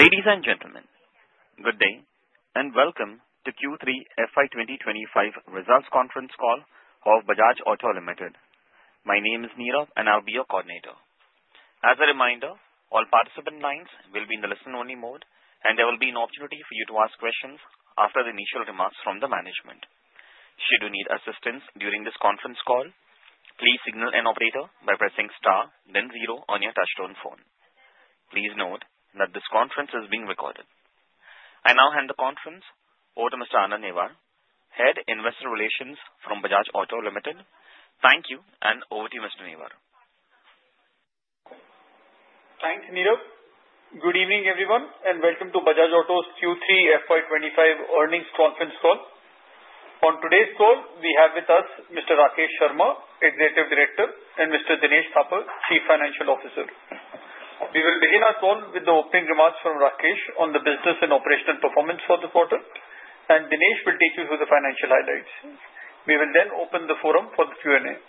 Ladies and gentlemen, good day and welcome to Q3 FY 2025 results conference call of Bajaj Auto Limited. My name is Neera, and I'll be your coordinator. As a reminder, all participant lines will be in the listen-only mode, and there will be an opportunity for you to ask questions after the initial remarks from the management. Should you need assistance during this conference call, please signal an operator by pressing star, then zero on your touch-tone phone. Please note that this conference is being recorded. I now hand the conference over to Mr. Anand Newar, Head Investor Relations from Bajaj Auto Limited. Thank you, and over to you, Mr. Newar. Thanks, Neera. Good evening, everyone, and welcome to Bajaj Auto's Q3 FY 2025 earnings conference call. On today's call, we have with us Mr. Rakesh Sharma, Executive Director, and Mr. Dinesh Thapar, Chief Financial Officer. We will begin our call with the opening remarks from Rakesh on the business and operational performance for the quarter, and Dinesh will take you through the financial highlights. We will then open the forum for the Q&A.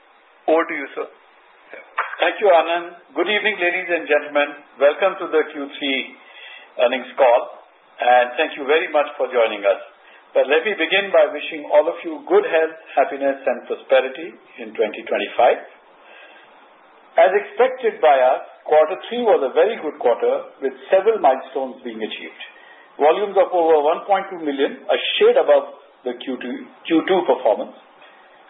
Over to you, sir. Thank you, Anand. Good evening, ladies and gentlemen. Welcome to the Q3 earnings call, and thank you very much for joining us. But let me begin by wishing all of you good health, happiness, and prosperity in 2025. As expected by us, quarter three was a very good quarter with several milestones being achieved: volumes of over 1.2 million, a shade above the Q2 performance,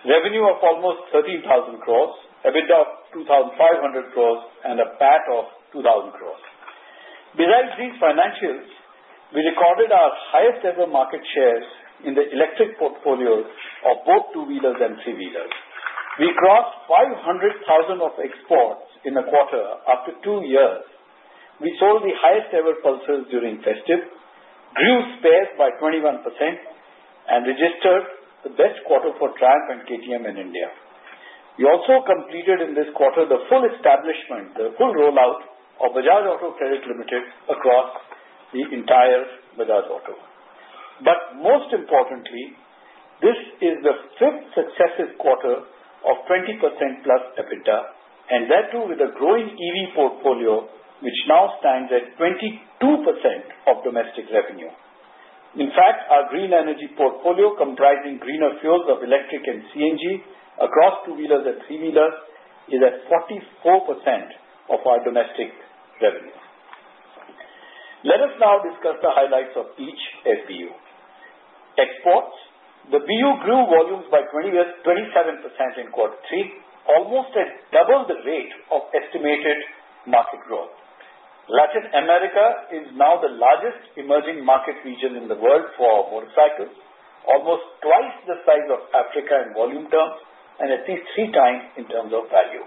revenue of almost 13,000 crores, EBITDA of 2,500 crores, and a PAT of 2,000 crores. Besides these financials, we recorded our highest-ever market shares in the electric portfolio of both two-wheelers and three-wheelers. We crossed 500,000 of exports in a quarter after two years. We sold the highest-ever Pulsars during festive, grew spares by 21%, and registered the best quarter for Triumph and KTM in India. We also completed in this quarter the full establishment, the full rollout of Bajaj Auto Credit Limited across the entire Bajaj Auto. But most importantly, this is the fifth successive quarter of 20%+ EBITDA, and that too with a growing EV portfolio, which now stands at 22% of domestic revenue. In fact, our green energy portfolio, comprising greener fuels of electric and CNG across two-wheelers and three-wheelers, is at 44% of our domestic revenue. Let us now discuss the highlights of each SBU. Exports: the BU grew volumes by 27% in quarter three, almost at double the rate of estimated market growth. Latin America is now the largest emerging market region in the world for motorcycles, almost twice the size of Africa in volume terms, and at least three times in terms of value.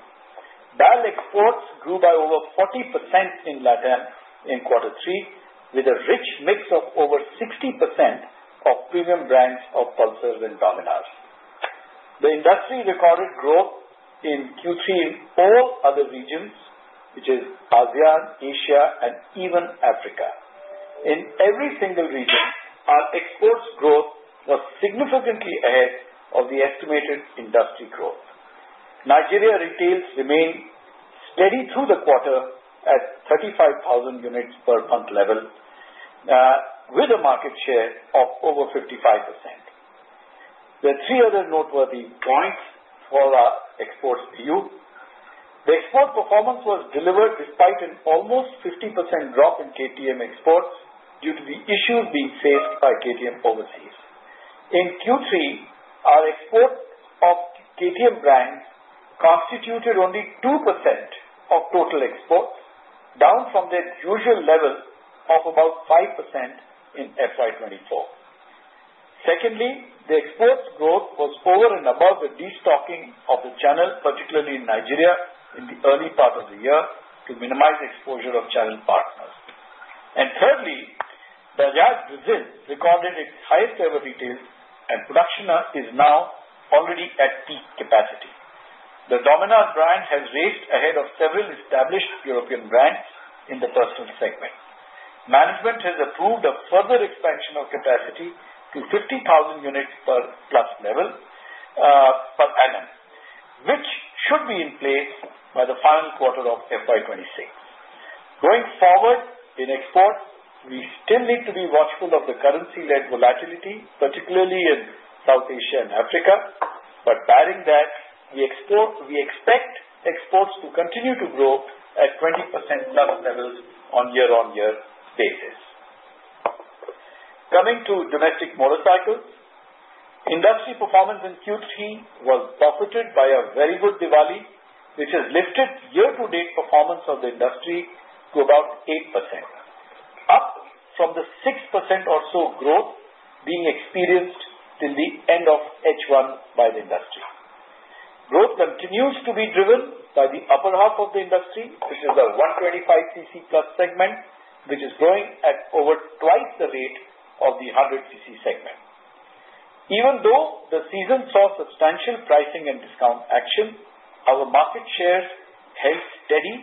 Bajaj exports grew by over 40% in Latin America in quarter three, with a rich mix of over 60% of premium brands of Pulsars and Dominars. The industry recorded growth in Q3 in all other regions, which is ASEAN, Asia, and even Africa. In every single region, our exports growth was significantly ahead of the estimated industry growth. Nigeria retail remained steady through the quarter at 35,000 units per month level, with a market share of over 55%. There are three other noteworthy points for our exports view. The export performance was delivered despite an almost 50% drop in KTM exports due to the issues being faced by KTM overseas. In Q3, our export of KTM brands constituted only 2% of total exports, down from their usual level of about 5% in FY 2024. Secondly, the exports growth was over and above the destocking of the channel, particularly in Nigeria in the early part of the year, to minimize exposure of channel partners. And thirdly, Bajaj Brazil recorded its highest-ever retail, and production is now already at peak capacity. The Dominar brand has raced ahead of several established European brands in the personal segment. Management has approved a further expansion of capacity to 50,000+ units level per annum, which should be in place by the final quarter of FY 2026. Going forward in exports, we still need to be watchful of the currency-led volatility, particularly in South Asia and Africa. But barring that, we expect exports to continue to grow at 20%+ levels on year-on-year basis. Coming to domestic motorcycles, industry performance in Q3 was buffeted by a very good Diwali, which has lifted year-to-date performance of the industry to about 8%, up from the 6% or so growth being experienced till the end of H1 by the industry. Growth continues to be driven by the upper half of the industry, which is the 125cc+ segment, which is growing at over twice the rate of the 100cc segment. Even though the season saw substantial pricing and discount action, our market shares held steady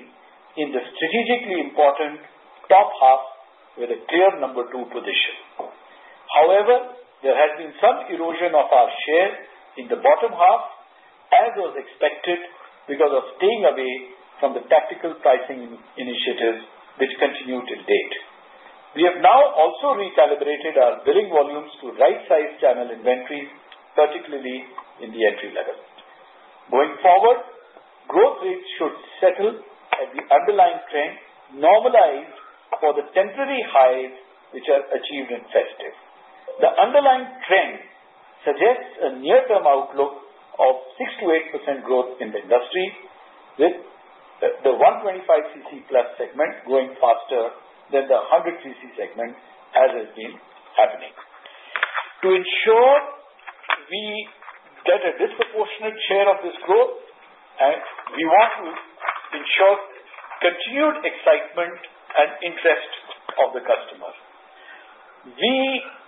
in the strategically important top half with a clear number two position. However, there has been some erosion of our share in the bottom half, as was expected, because of staying away from the tactical pricing initiatives, which continue till date. We have now also recalibrated our billing volumes to right-sized channel inventories, particularly in the entry level. Going forward, growth rates should settle at the underlying trend, normalized for the temporary highs which are achieved in festive. The underlying trend suggests a near-term outlook of 6%-8% growth in the industry, with the 125cc+ segment growing faster than the 100cc segment, as has been happening. To ensure we get a disproportionate share of this growth, we want to ensure continued excitement and interest of the customer.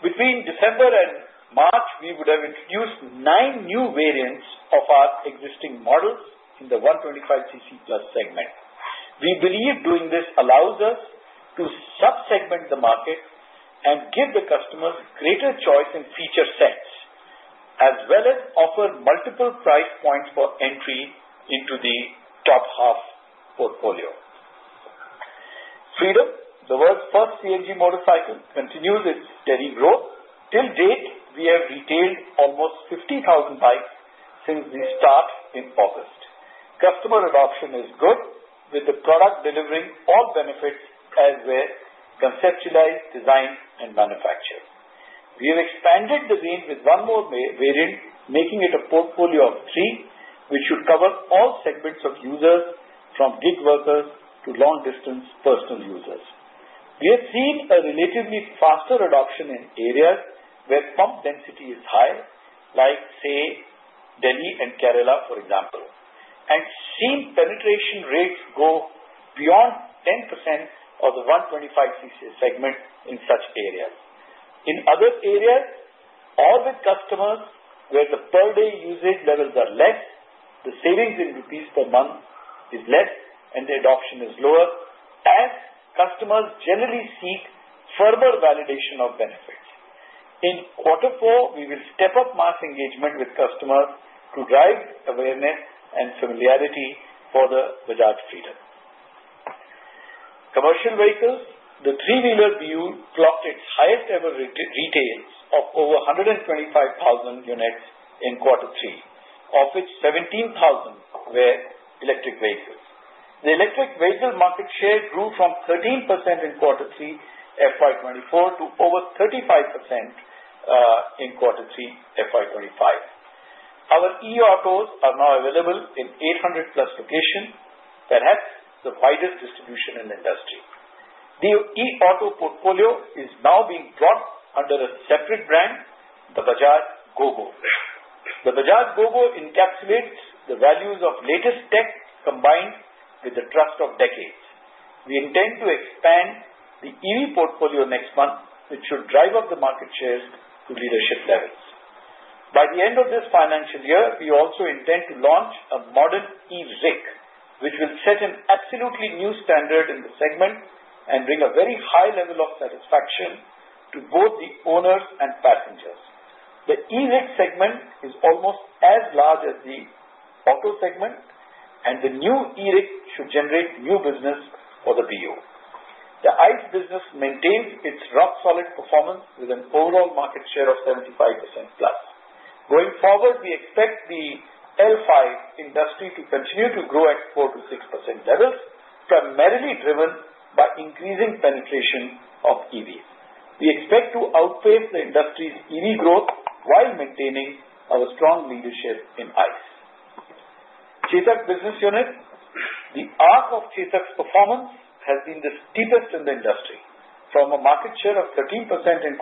Between December and March, we would have introduced nine new variants of our existing models in the 125cc+ segment. We believe doing this allows us to subsegment the market and give the customers greater choice in feature sets, as well as offer multiple price points for entry into the top half portfolio. Freedom, the world's first CNG motorcycle, continues its steady growth. Till date, we have retailed almost 50,000 bikes since the start in August. Customer adoption is good, with the product delivering all benefits as they're conceptualized, designed, and manufactured. We have expanded the range with one more variant, making it a portfolio of three, which should cover all segments of users, from gig workers to long-distance personal users. We have seen a relatively faster adoption in areas where pump density is high, like, say, Delhi and Kerala, for example, and seen penetration rates go beyond 10% of the 125cc segment in such areas. In other areas, or with customers where the per-day usage levels are less, the savings in rupees per month is less, and the adoption is lower, as customers generally seek further validation of benefits. In Q4, we will step up mass engagement with customers to drive awareness and familiarity for the Bajaj Freedom. Commercial vehicles, the three-wheeler BU clocked its highest-ever retail of over 125,000 units in Q3, of which 17,000 were electric vehicles. The electric vehicle market share grew from 13% in Q3 FY 2024 to over 35% in Q3 FY 2025. Our e-autos are now available in 800+ locations, perhaps the widest distribution in the industry. The e-auto portfolio is now being brought under a separate brand, the Bajaj Gogo. The Bajaj Gogo encapsulates the values of latest tech combined with the trust of decades. We intend to expand the EV portfolio next month, which should drive up the market shares to leadership levels. By the end of this financial year, we also intend to launch a modern e-rickshaw, which will set an absolutely new standard in the segment and bring a very high level of satisfaction to both the owners and passengers. The e-rick segment is almost as large as the e-auto segment, and the new e-rick should generate new business for the BU. The ICE business maintains its rock-solid performance with an overall market share of 75%+. Going forward, we expect the L5 industry to continue to grow at 4%-6% levels, primarily driven by increasing penetration of EVs. We expect to outpace the industry's EV growth while maintaining our strong leadership in ICE. Chetak Business Unit, the arc of Chetak's performance has been the steepest in the industry. From a market share of 13% in Q3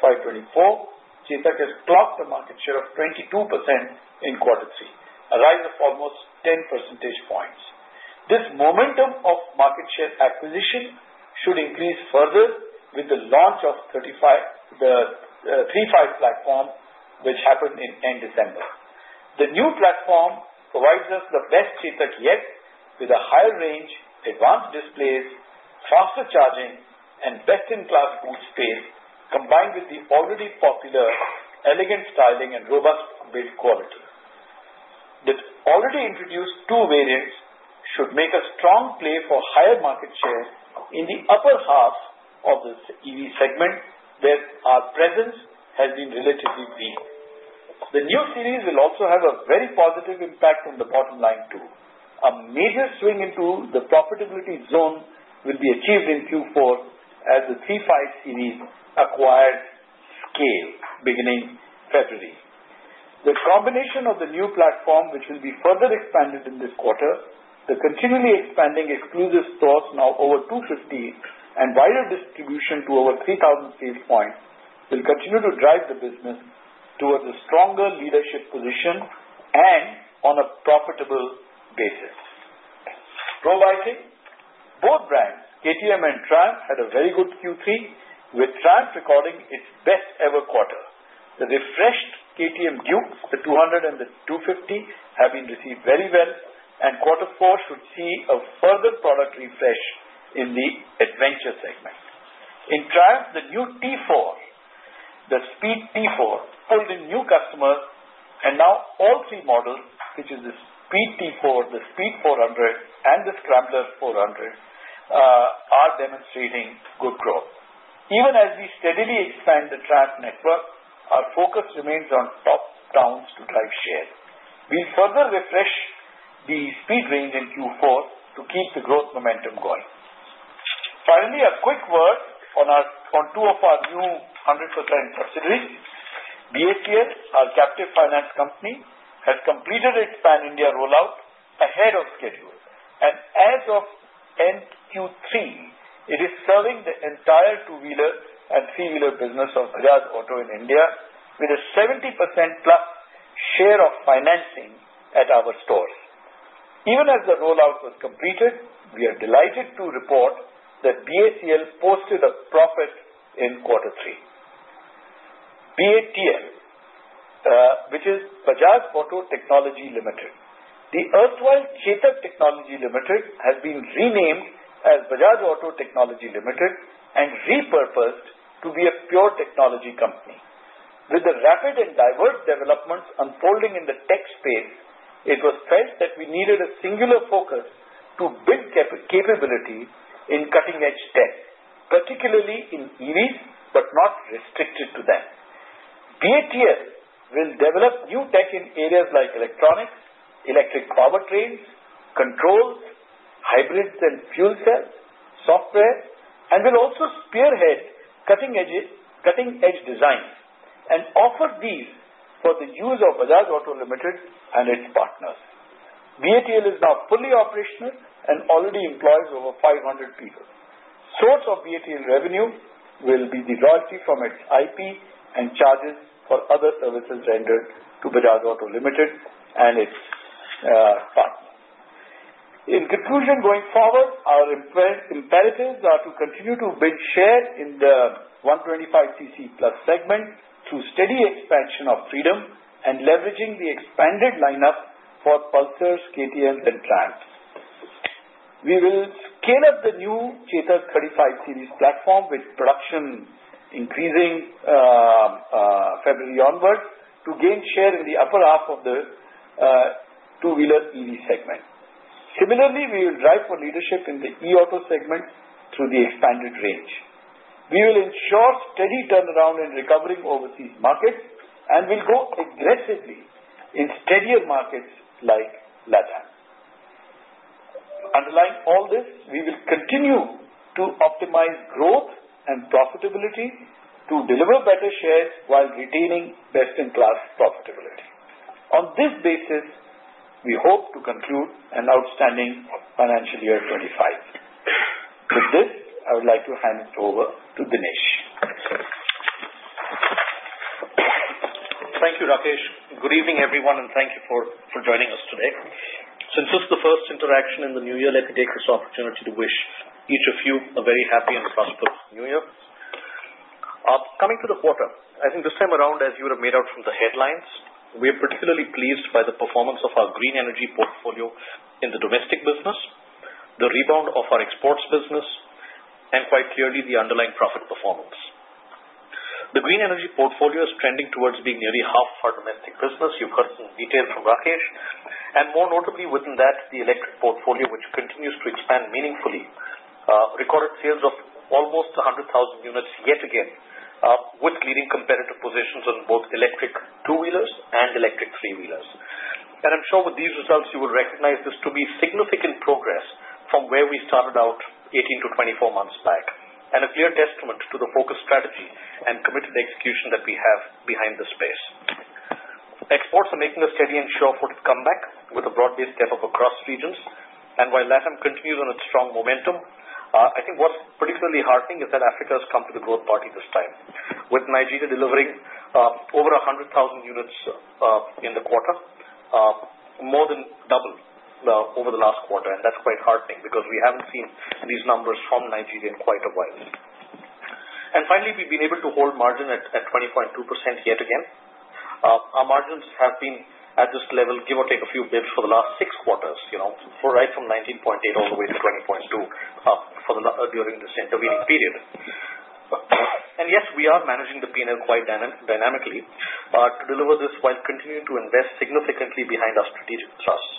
FY 2024, Chetak has clocked a market share of 22% in Q3, a rise of almost 10 percentage points. This momentum of market share acquisition should increase further with the launch of the 3.5 platform, which happened in end December. The new platform provides us the best Chetak yet, with a higher range, advanced displays, faster charging, and best-in-class boot space, combined with the already popular elegant styling and robust build quality. The already introduced two variants should make a strong play for higher market shares in the upper half of the EV segment, where our presence has been relatively weak. The new series will also have a very positive impact on the bottom line too. A major swing into the profitability zone will be achieved in Q4, as the 3.5 series acquires scale beginning February. The combination of the new platform, which will be further expanded in this quarter, the continually expanding exclusive stores now over 250, and wider distribution to over 3,000 sales points will continue to drive the business towards a stronger leadership position and on a profitable basis. Both brands, KTM and Triumph, had a very good Q3, with Triumph recording its best-ever quarter. The refreshed KTM Dukes, the 200 and the 250, have been received very well, and Q4 should see a further product refresh in the adventure segment. In Triumph, the new T4, the Speed T4, pulled in new customers, and now all three models, which are the Speed T4, the Speed 400, and the Scrambler 400, are demonstrating good growth. Even as we steadily expand the Triumph network, our focus remains on top towns to drive share. We'll further refresh the speed range in Q4 to keep the growth momentum going. Finally, a quick word on two of our new 100% subsidiaries. Bajaj Auto Credit Limited, our captive finance company, has completed its Pan India rollout ahead of schedule. As of end Q3, it is serving the entire two-wheeler and three-wheeler business of Bajaj Auto in India with a 70%+ share of financing at our stores. Even as the rollout was completed, we are delighted to report that BACL posted a profit in Q3. BATL, which is Bajaj Auto Technology Limited, the erstwhile Chetak Technology Limited, has been renamed as Bajaj Auto Technology Limited and repurposed to be a pure technology company. With the rapid and diverse developments unfolding in the tech space, it was felt that we needed a singular focus to build capability in cutting-edge tech, particularly in EVs, but not restricted to them. BATL will develop new tech in areas like electronics, electric powertrains, controls, hybrids and fuel cells, software, and will also spearhead cutting-edge designs and offer these for the use of Bajaj Auto Limited and its partners. Limited is now fully operational and already employs over 500 people. Source of Bajaj Auto Technology Limited revenue will be the royalty from its IP and charges for other services rendered to Bajaj Auto Limited and its partners. In conclusion, going forward, our imperatives are to continue to build share in the 125cc+ segment through steady expansion of Freedom and leveraging the expanded lineup for Pulsars, KTMs, and Triumphs. We will scale up the new Chetak 3.5 series platform with production increasing February onwards to gain share in the upper half of the two-wheeler EV segment. Similarly, we will drive for leadership in the e-auto segment through the expanded range. We will ensure steady turnaround in recovering overseas markets and will go aggressively in steadier markets like Latam. Underlying all this, we will continue to optimize growth and profitability to deliver better shares while retaining best-in-class profitability. On this basis, we hope to conclude an outstanding financial year 2025. With this, I would like to hand it over to Dinesh. Thank you, Rakesh. Good evening, everyone, and thank you for joining us today. Since it's the first interaction in the new year, let me take this opportunity to wish each of you a very happy and prosperous new year. Coming to the quarter, I think this time around, as you would have made out from the headlines, we are particularly pleased by the performance of our green energy portfolio in the domestic business, the rebound of our exports business, and quite clearly, the underlying profit performance. The green energy portfolio is trending towards being nearly half of our domestic business. You've heard some detail from Rakesh. And more notably, within that, the electric portfolio, which continues to expand meaningfully, recorded sales of almost 100,000 units yet again, with leading competitive positions on both electric two-wheelers and electric three-wheelers. And I'm sure with these results, you will recognize this to be significant progress from where we started out 18 months-24 months back, and a clear testament to the focused strategy and committed execution that we have behind the space. Exports are making a steady and sure-footed comeback with a broad-based step up across regions. And while Latam continues on its strong momentum, I think what's particularly heartening is that Africa has come to the growth party this time, with Nigeria delivering over 100,000 units in the quarter, more than double over the last quarter. And that's quite heartening because we haven't seen these numbers from Nigeria in quite a while. Finally, we've been able to hold margin at 20.2% yet again. Our margins have been, at this level, give or take a few basis points for the last six quarters, right from 19.8% all the way to 20.2% during this intervening period. Yes, we are managing the P&L quite dynamically to deliver this while continuing to invest significantly behind our strategic thrusts.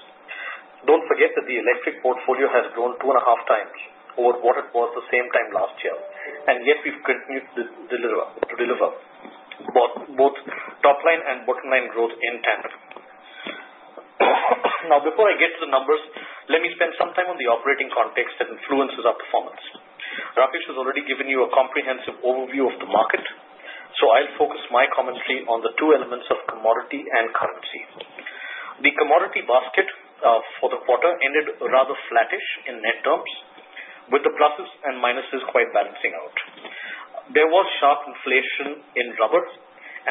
Don't forget that the electric portfolio has grown two and a half times over what it was the same time last year, and yet we've continued to deliver both top-line and bottom-line growth in tandem. Now, before I get to the numbers, let me spend some time on the operating context that influences our performance. Rakesh has already given you a comprehensive overview of the market, so I'll focus my commentary on the two elements of commodity and currency. The commodity basket for the quarter ended rather flattish in net terms, with the pluses and minuses quite balancing out. There was sharp inflation in rubber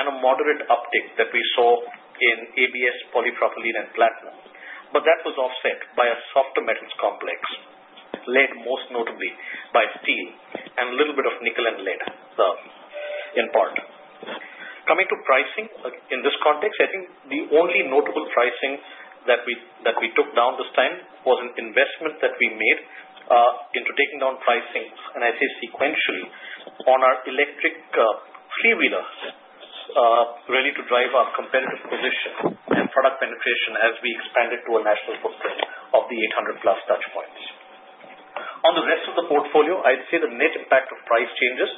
and a moderate uptick that we saw in ABS, polypropylene, and platinum, but that was offset by a softer metals complex, led most notably by steel and a little bit of nickel and lead in part. Coming to pricing, in this context, I think the only notable pricing that we took down this time was an investment that we made into taking down pricing, and I say sequentially, on our electric three-wheelers, ready to drive our competitive position and product penetration as we expanded to a national footprint of the 800+ touch points. On the rest of the portfolio, I'd say the net impact of price changes,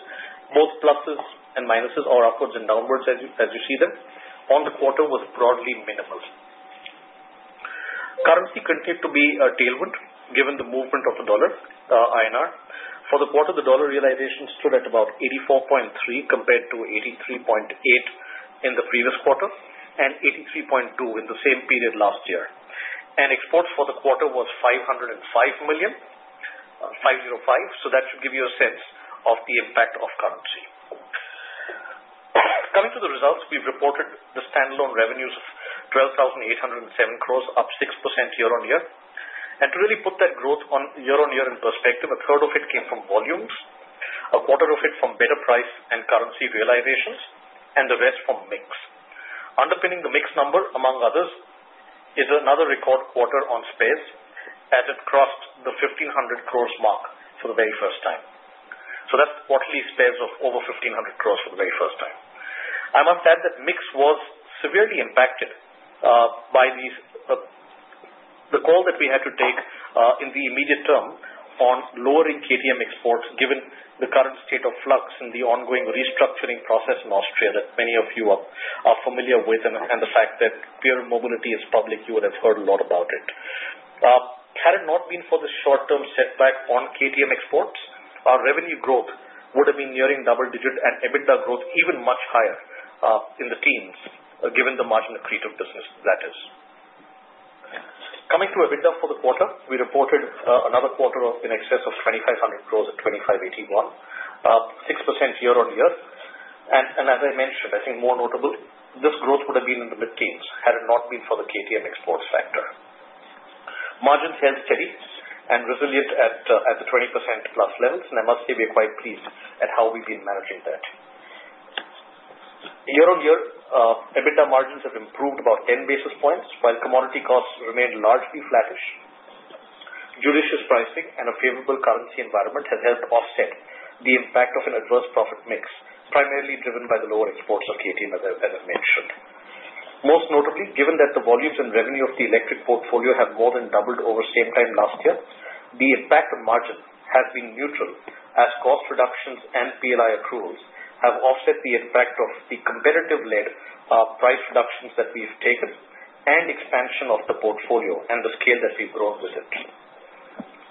both pluses and minuses, or upwards and downwards as you see them, on the quarter was broadly minimal. Currency continued to be a tailwind given the movement of the dollar, INR. For the quarter, the dollar realization stood at about 84.3 compared to 83.8 in the previous quarter and 83.2 in the same period last year, and exports for the quarter was $505 million, $505 million, so that should give you a sense of the impact of currency. Coming to the results, we've reported the standalone revenues of 12,807 crores, up 6% year-on-year, and to really put that growth year-on-year in perspective, a third of it came from volumes, a quarter of it from better price and currency realizations, and the rest from mix. Underpinning the mix number, among others, is another record quarter on spares as it crossed the 1,500 crores mark for the very first time. So that's quarterly spares of over 1,500 crores for the very first time. I must add that mix was severely impacted by the call that we had to take in the immediate term on lowering KTM exports given the current state of flux in the ongoing restructuring process in Austria that many of you are familiar with and the fact that Pierer Mobility is public, you would have heard a lot about it. Had it not been for the short-term setback on KTM exports, our revenue growth would have been nearing double-digit and EBITDA growth even much higher in the teens given the margin accretive business that is. Coming to EBITDA for the quarter, we reported another quarter in excess of 2,500 crores at 2,581 crores, 6% year-on-year, and as I mentioned, I think more notable, this growth would have been in the mid-teens had it not been for the KTM exports factor. Margins held steady and resilient at the 20%+ levels, and I must say we are quite pleased at how we've been managing that. Year-on-year, EBITDA margins have improved about 10 basis points, while commodity costs remained largely flattish. Judicious pricing and a favorable currency environment have helped offset the impact of an adverse profit mix, primarily driven by the lower exports of KTM, as I've mentioned. Most notably, given that the volumes and revenue of the electric portfolio have more than doubled over same time last year, the impact of margin has been neutral as cost reductions and PLI accruals have offset the impact of the competitive-led price reductions that we've taken and expansion of the portfolio and the scale that we've grown with it.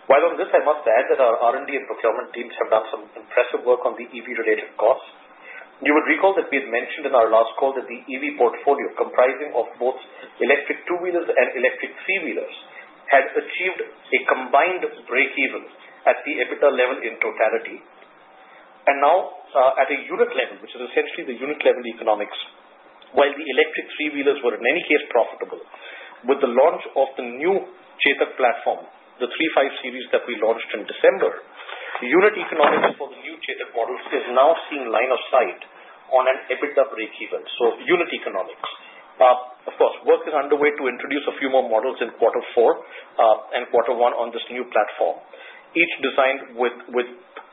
While on this, I must add that our R&D and procurement teams have done some impressive work on the EV-related costs. You would recall that we had mentioned in our last call that the EV portfolio comprising of both electric two-wheelers and electric three-wheelers had achieved a combined break-even at the EBITDA level in totality. And now, at a unit level, which is essentially the unit-level economics, while the electric three-wheelers were in any case profitable, with the launch of the new Chetak platform, the 3.5 series that we launched in December, unit economics for the new Chetak models is now seeing line of sight on an EBITDA break-even. So unit economics, of course, work is underway to introduce a few more models in quarter four and quarter one on this new platform, each designed with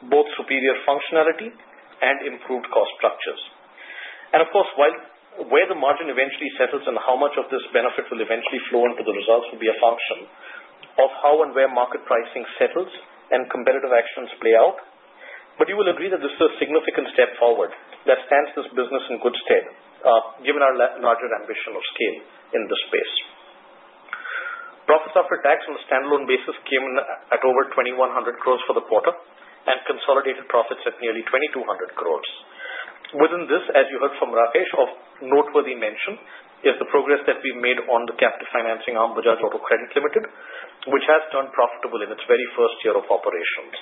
both superior functionality and improved cost structures. And of course, where the margin eventually settles and how much of this benefit will eventually flow into the results will be a function of how and where market pricing settles and competitive actions play out. But you will agree that this is a significant step forward that stands this business in good stead given our larger ambition of scale in this space. Profits after tax on a standalone basis came in at over 2,100 crores for the quarter and consolidated profits at nearly 2,200 crores. Within this, as you heard from Rakesh, of noteworthy mention is the progress that we made on the captive financing arm Bajaj Auto Credit Limited, which has turned profitable in its very first year of operations.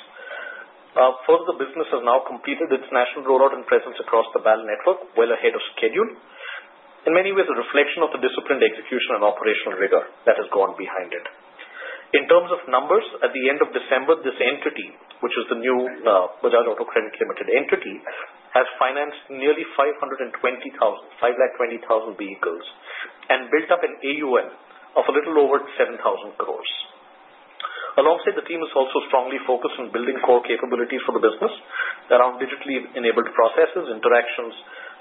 Further, the business has now completed its national rollout and presence across the BAL network well ahead of schedule. In many ways, a reflection of the disciplined execution and operational rigor that has gone behind it. In terms of numbers, at the end of December, this entity, which is the new Bajaj Auto Credit Limited entity, has financed nearly 520,000 vehicles and built up an AUM of a little over 7,000 crores. Alongside, the team is also strongly focused on building core capabilities for the business around digitally enabled processes, interactions,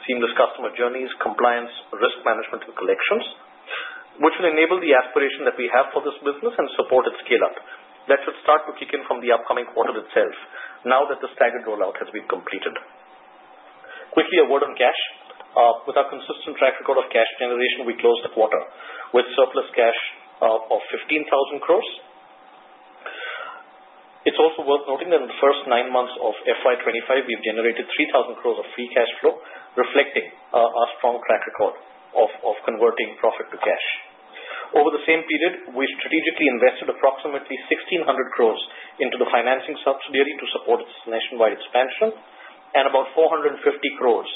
seamless customer journeys, compliance, risk management, and collections, which will enable the aspiration that we have for this business and support its scale-up that should start to kick in from the upcoming quarter itself now that the staggered rollout has been completed. Quickly, a word on cash. With our consistent track record of cash generation, we closed the quarter with surplus cash of 15,000 crores. It's also worth noting that in the first nine months of FY 2025, we've generated 3,000 crores of free cash flow, reflecting our strong track record of converting profit to cash. Over the same period, we strategically invested approximately 1,600 crores into the financing subsidiary to support its nationwide expansion and about 450 crores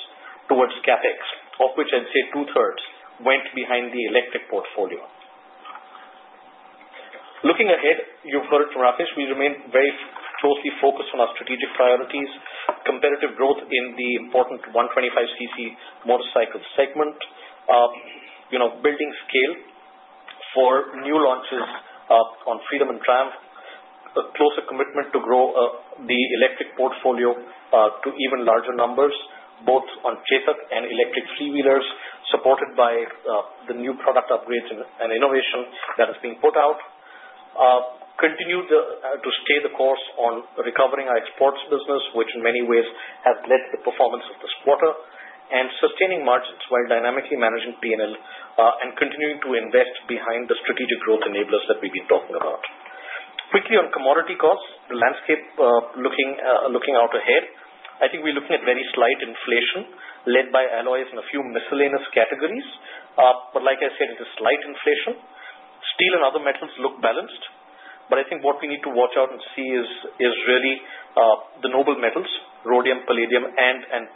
towards CapEx, of which I'd say two-thirds went behind the electric portfolio. Looking ahead, you've heard from Rakesh, we remain very closely focused on our strategic priorities, competitive growth in the important 125cc motorcycle segment, building scale for new launches on Freedom and Triumph, a closer commitment to grow the electric portfolio to even larger numbers, both on Chetak and electric three-wheelers, supported by the new product upgrades and innovation that has been put out, continue to stay the course on recovering our exports business, which in many ways has led to the performance of this quarter, and sustaining margins while dynamically managing P&L and continuing to invest behind the strategic growth enablers that we've been talking about. Quickly, on commodity costs, the landscape looking out ahead, I think we're looking at very slight inflation led by alloys and a few miscellaneous categories. But like I said, it is slight inflation. Steel and other metals look balanced, but I think what we need to watch out and see is really the noble metals, rhodium, palladium, and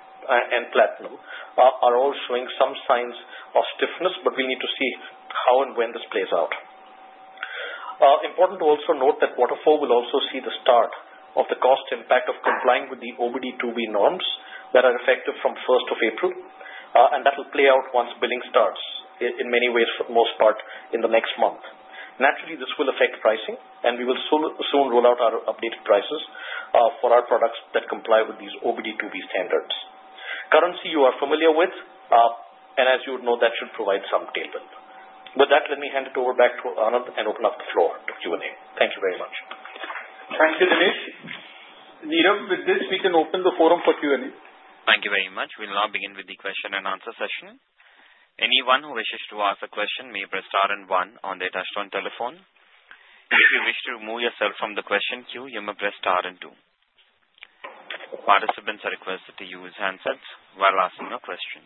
platinum, are all showing some signs of stiffness, but we need to see how and when this plays out. Important to also note that quarter four will also see the start of the cost impact of complying with the OBD-II B norms that are effective from 1st of April, and that will play out once billing starts in many ways, for the most part, in the next month. Naturally, this will affect pricing, and we will soon roll out our updated prices for our products that comply with these OBD-II B standards. Currency, you are familiar with, and as you would know, that should provide some tailwind. With that, let me hand it over back to Anand and open up the floor to Q&A.Thank you very much. Thank you, Dinesh. Neera, with this, we can open the forum for Q&A. Thank you very much. We'll now begin with the question and answer session. Anyone who wishes to ask a question may press star and one on their touch-tone telephone. If you wish to remove yourself from the question queue, you may press star and two. Participants are requested to use handsets while asking a question.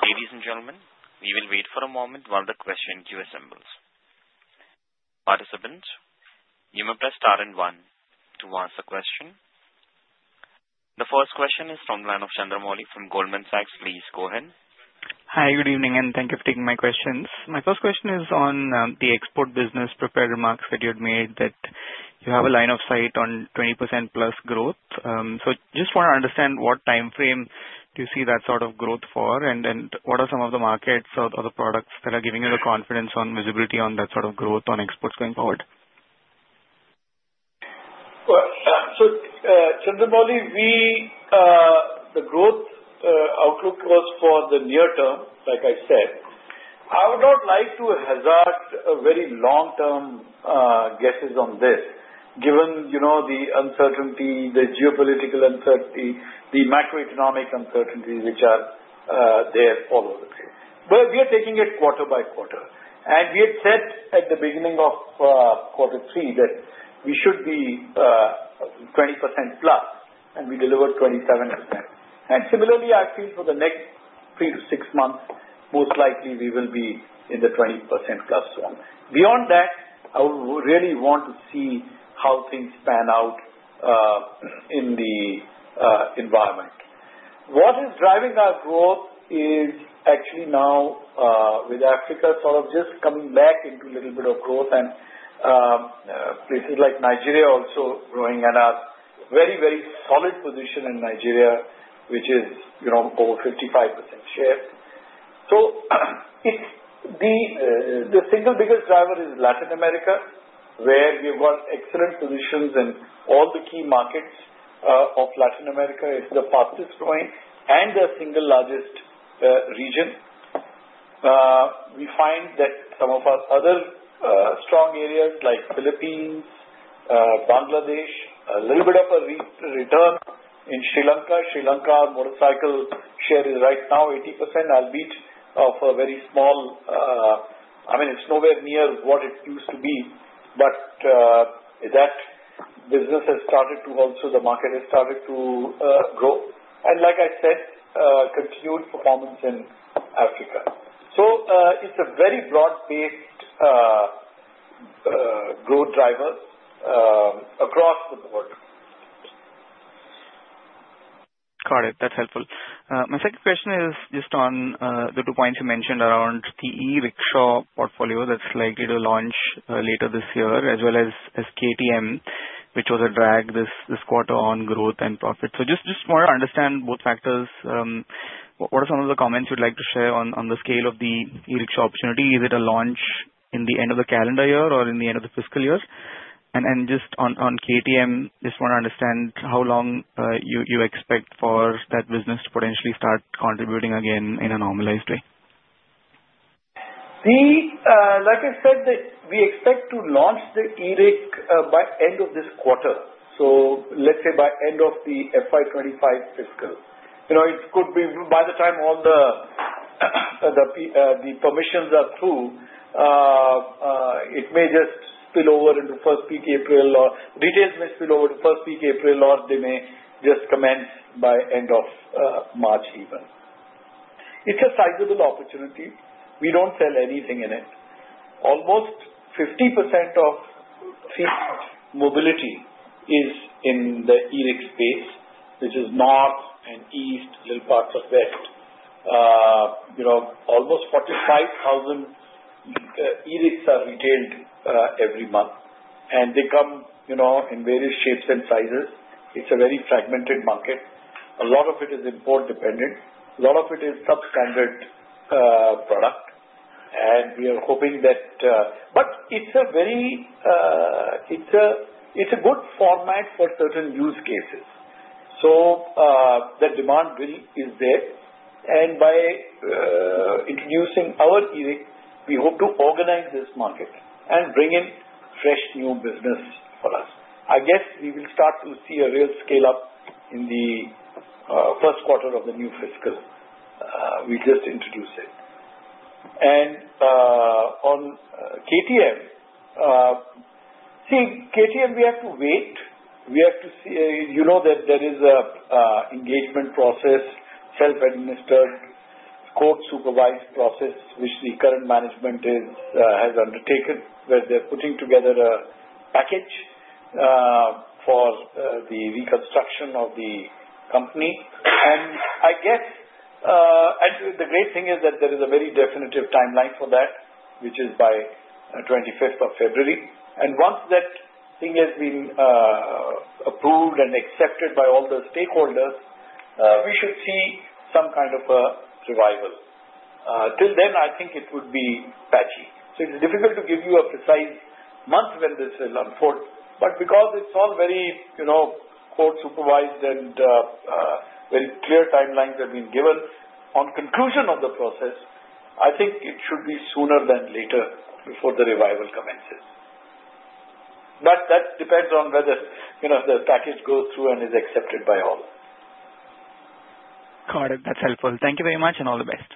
Ladies and gentlemen, we will wait for a moment while the question queue assembles. Participants, you may press star and one to ask a question. The first question is from the line of Chandramouli from Goldman Sachs. Please go ahead. Hi, good evening, and thank you for taking my questions. My first question is on the export business, prepared remarks that you had made that you have a line of sight on 20%+ growth. So just want to understand what time frame do you see that sort of growth for, and what are some of the markets or the products that are giving you the confidence on visibility on that sort of growth on exports going forward? So Chandramouli, the growth outlook was for the near term, like I said. I would not like to hazard very long-term guesses on this given the uncertainty, the geopolitical uncertainty, the macroeconomic uncertainty which are there all over the place. But we are taking it quarter by quarter, and we had said at the beginning of quarter three that we should be 20%+, and we delivered 27%. Similarly, I feel for the next three to six months, most likely we will be in the 20%+ zone. Beyond that, I would really want to see how things pan out in the environment. What is driving our growth is actually now with Africa sort of just coming back into a little bit of growth, and places like Nigeria also growing, and a very, very solid position in Nigeria, which is over 55% share. So the single biggest driver is Latin America, where we've got excellent positions in all the key markets of Latin America. It's the fastest growing and the single largest region. We find that some of our other strong areas like Philippines, Bangladesh, a little bit of a return in Sri Lanka. Sri Lanka's motorcycle share is right now 80%, albeit of a very small, I mean, it's nowhere near what it used to be, but that business has started to, also the market has started to grow. And like I said, continued performance in Africa. So it's a very broad-based growth driver across the board. Got it. That's helpful. My second question is just on the two points you mentioned around the e-rickshaw portfolio that's likely to launch later this year, as well as KTM, which was a drag this quarter on growth and profit. So just want to understand both factors. What are some of the comments you'd like to share on the scale of the e-rickshaw opportunity? Is it a launch in the end of the calendar year or in the end of the fiscal year? Just on KTM, just want to understand how long you expect for that business to potentially start contributing again in a normalized way? Like I said, we expect to launch the e-rick by end of this quarter. So let's say by end of the FY 2025 fiscal. It could be by the time all the permissions are through, it may just spill over into first week April, or retail may spill over to first week April, or they may just commence by end of March even. It's a sizable opportunity. We don't sell anything in it. Almost 50% of fleet mobility is in the e-rick space, which is north and east, little parts of west. Almost 45,000 e-ricks are retailed every month, and they come in various shapes and sizes. It's a very fragmented market. A lot of it is import-dependent. A lot of it is substandard product, and we are hoping that, but it's a good format for certain use cases. So the demand is there. And by introducing our e-rick, we hope to organize this market and bring in fresh new business for us. I guess we will start to see a real scale-up in the first quarter of the new fiscal we just introduced. And on KTM, see, KTM, we have to wait. We have to see that there is an engagement process, self-administered, court-supervised process, which the current management has undertaken, where they're putting together a package for the reconstruction of the company. And I guess the great thing is that there is a very definitive timeline for that, which is by 25th of February. And once that thing has been approved and accepted by all the stakeholders, we should see some kind of a revival. Till then, I think it would be patchy. So it's difficult to give you a precise month when this will unfold. But because it's all very court-supervised and very clear timelines have been given on conclusion of the process, I think it should be sooner than later before the revival commences. But that depends on whether the package goes through and is accepted by all. Got it. That's helpful. Thank you very much and all the best.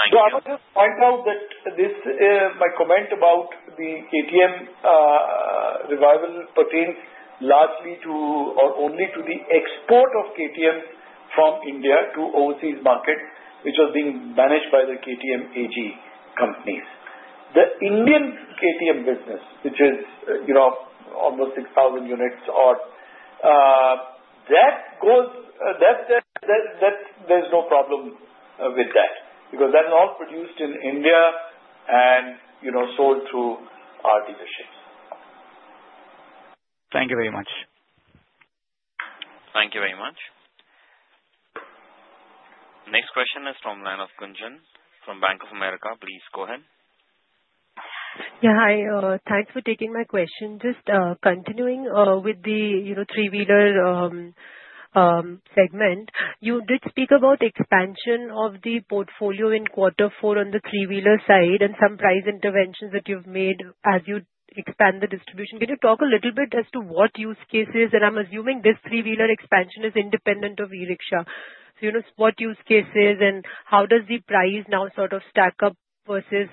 Thank you. So I would just point out that my comment about the KTM revival pertains largely to or only to the export of KTM from India to overseas markets, which was being managed by the KTM AG companies. The Indian KTM business, which is almost 6,000 units or that, there's no problem with that because that's all produced in India and sold through our dealerships. Thank you very much. Thank you very much. Next question is from the line of Gunjan, from Bank of America. Please go ahead. Yeah. Hi. Thanks for taking my question. Just continuing with the three-wheeler segment, you did speak about expansion of the portfolio in quarter four on the three-wheeler side and some price interventions that you've made as you expand the distribution. Can you talk a little bit as to what use cases? And I'm assuming this three-wheeler expansion is independent of e-rickshaw. So what use cases and how does the price now sort of stack up versus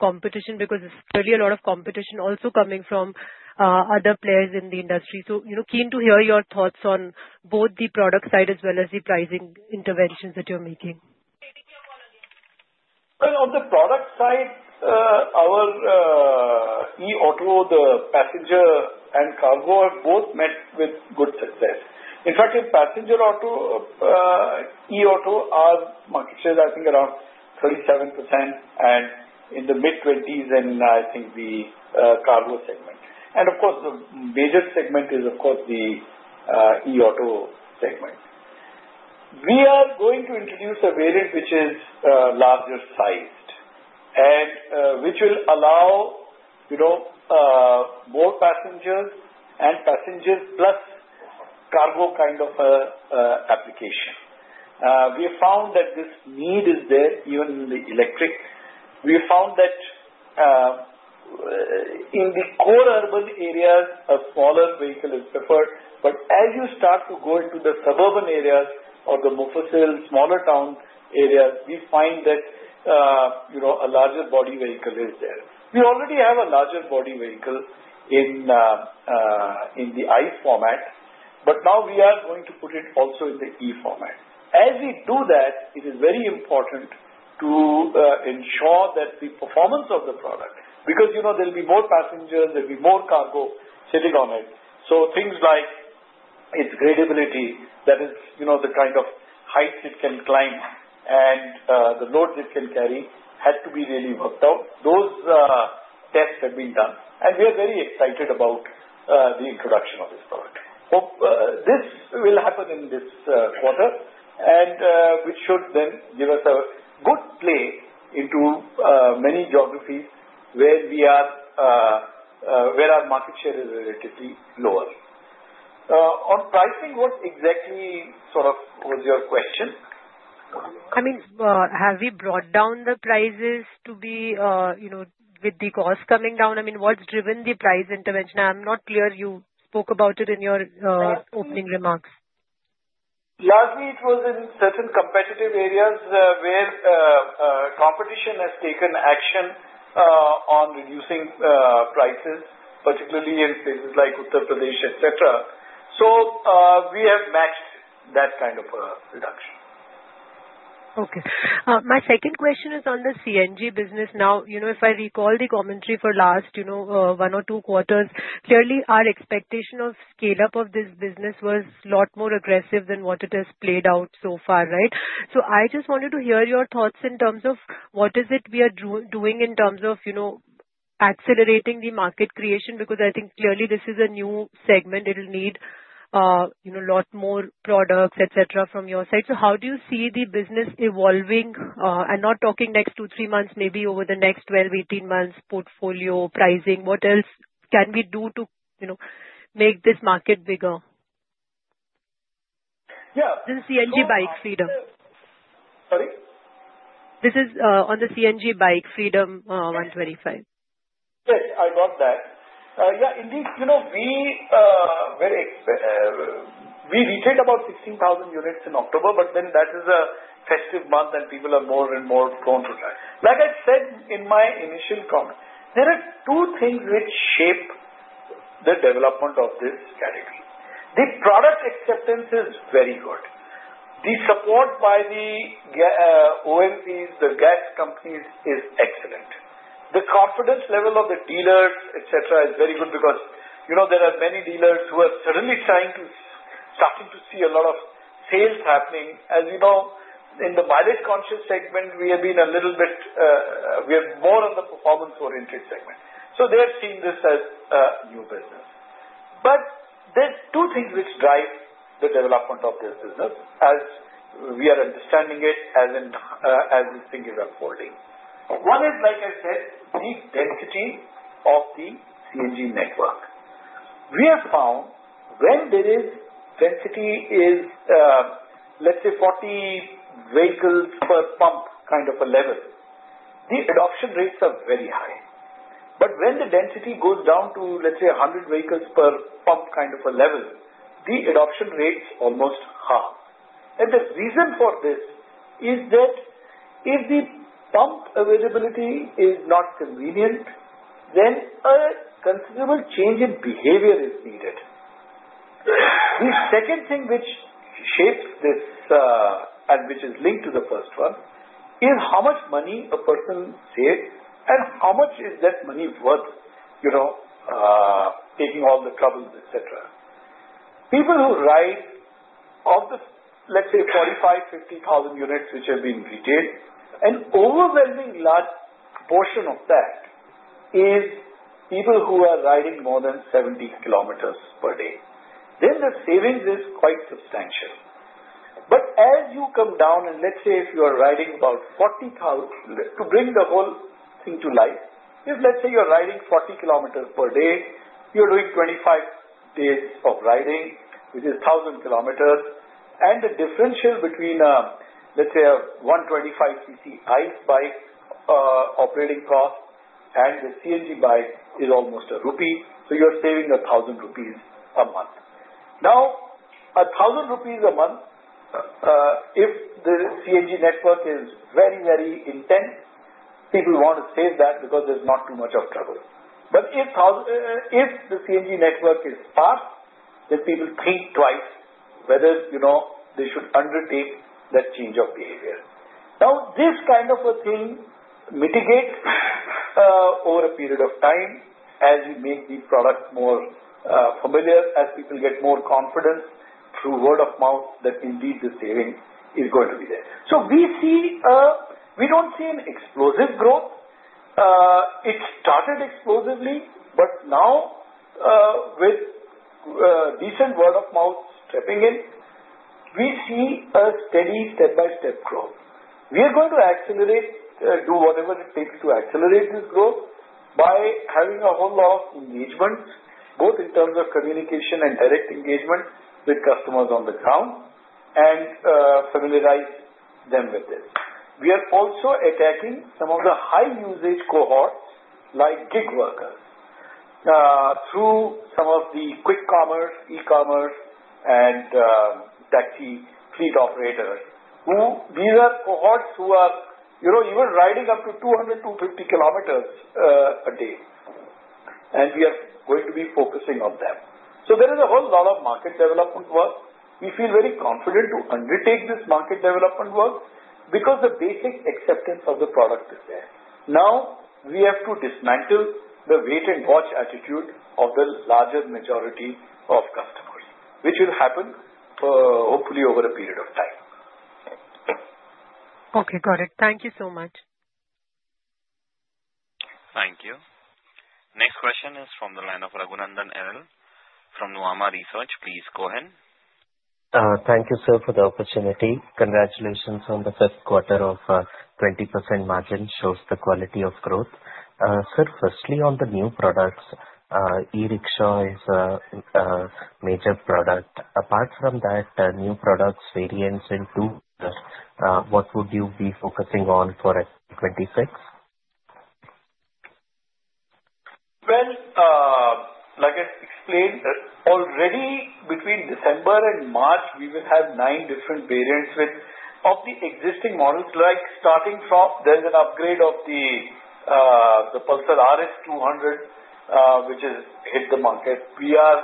competition? Because there's clearly a lot of competition also coming from other players in the industry. So keen to hear your thoughts on both the product side as well as the pricing interventions that you're making. On the product side, our e-auto, the passenger and cargo have both met with good success. In fact, in passenger auto, e-auto are market share, I think, around 37% and in the mid-20s in, I think, the cargo segment. Of course, the major segment is, of course, the e-auto segment. We are going to introduce a variant which is larger sized and which will allow more passengers and passengers plus cargo kind of application. We have found that this need is there even in the electric. We have found that in the core urban areas, a smaller vehicle is preferred. But as you start to go into the suburban areas or the more rural, smaller town areas, we find that a larger body vehicle is there. We already have a larger body vehicle in the ICE format, but now we are going to put it also in the E format. As we do that, it is very important to ensure that the performance of the product because there'll be more passengers, there'll be more cargo sitting on it. So things like its gradability, that is the kind of heights it can climb and the loads it can carry had to be really worked out. Those tests have been done, and we are very excited about the introduction of this product. This will happen in this quarter, and it should then give us a good play into many geographies where we are where our market share is relatively lower. On pricing, what exactly sort of was your question? I mean, have we brought down the prices to be with the cost coming down? I mean, what's driven the price intervention? I'm not clear. You spoke about it in your opening remarks. Largely, it was in certain competitive areas where competition has taken action on reducing prices, particularly in places like Uttar Pradesh, etc. So we have matched that kind of reduction. Okay. My second question is on the CNG business. Now, if I recall the commentary for last one or two quarters, clearly our expectation of scale-up of this business was a lot more aggressive than what it has played out so far, right? So I just wanted to hear your thoughts in terms of what is it we are doing in terms of accelerating the market creation because I think clearly this is a new segment. It'll need a lot more products, etc., from your side. So how do you see the business evolving? I'm not talking next two, three months, maybe over the next 12, 18 months, portfolio, pricing. What else can we do to make this market bigger? Yeah. This is CNG Bike Freedom. Sorry? This is on the CNG Bike Freedom 125. Yes, I got that. Yeah. Indeed, we retailed about 16,000 units in October, but then that is a festive month, and people are more and more prone to drive. Like I said in my initial comment, there are two things which shape the development of this category. The product acceptance is very good. The support by the OMCs, the gas companies, is excellent. The confidence level of the dealers, etc., is very good because there are many dealers who are certainly starting to see a lot of sales happening. As you know, in the mileage-conscious segment, we have been a little bit we are more on the performance-oriented segment. So they have seen this as new business. But there are two things which drive the development of this business as we are understanding it, as these things are unfolding. One is, like I said, the density of the CNG network. We have found when there is density, let's say, 40 vehicles per pump kind of a level, the adoption rates are very high. But when the density goes down to, let's say, 100 vehicles per pump kind of a level, the adoption rate's almost half. And the reason for this is that if the pump availability is not convenient, then a considerable change in behavior is needed. The second thing which shapes this and which is linked to the first one is how much money a person saves and how much is that money worth taking all the troubles, etc. People who ride one of the, let's say, 45,000 units-50,000 units which have been retailed, an overwhelmingly large portion of that is people who are riding more than 70 km per day, then the savings is quite substantial. But as you come down and let's say if you are riding about 40 km to bring the whole thing to life, if let's say you're riding 40 km per day, you're doing 25 days of riding, which is 1,000 km, and the differential between, let's say, a 125cc ICE bike operating cost and the CNG bike is almost a rupee, so you're saving 1,000 rupees a month. Now, 1,000 rupees a month, if the CNG network is very, very intense, people want to save that because there's not too much of trouble, but if the CNG network is sparse, then people think twice whether they should undertake that change of behavior. Now, this kind of a thing mitigates over a period of time as you make the product more familiar, as people get more confidence through word of mouth that indeed the saving is going to be there. So we don't see an explosive growth. It started explosively, but now with decent word of mouth stepping in, we see a steady step-by-step growth. We are going to accelerate, do whatever it takes to accelerate this growth by having a whole lot of engagements, both in terms of communication and direct engagement with customers on the ground and familiarize them with it. We are also attacking some of the high-usage cohorts like gig workers through some of the quick commerce, e-commerce, and taxi fleet operators. These are cohorts who are even riding up to 200 km, 250 km a day, and we are going to be focusing on them. So there is a whole lot of market development work. We feel very confident to undertake this market development work because the basic acceptance of the product is there. Now, we have to dismantle the wait-and-watch attitude of the larger majority of customers, which will happen hopefully over a period of time. Okay. Got it. Thank you so much. Thank you. Next question is from the line of Raghunandhan NL from Nuvama Research. Please go ahead. Thank you, sir, for the opportunity. Congratulations on the first quarter of 20% margin shows the quality of growth. Sir, firstly, on the new products, e-rickshaw is a major product. Apart from that, new products variants in two, what would you be focusing on for FY 2026? Well, like I explained, already between December and March, we will have nine different variants of the existing models. Starting from, there's an upgrade of the Pulsar RS200, which has hit the market. We are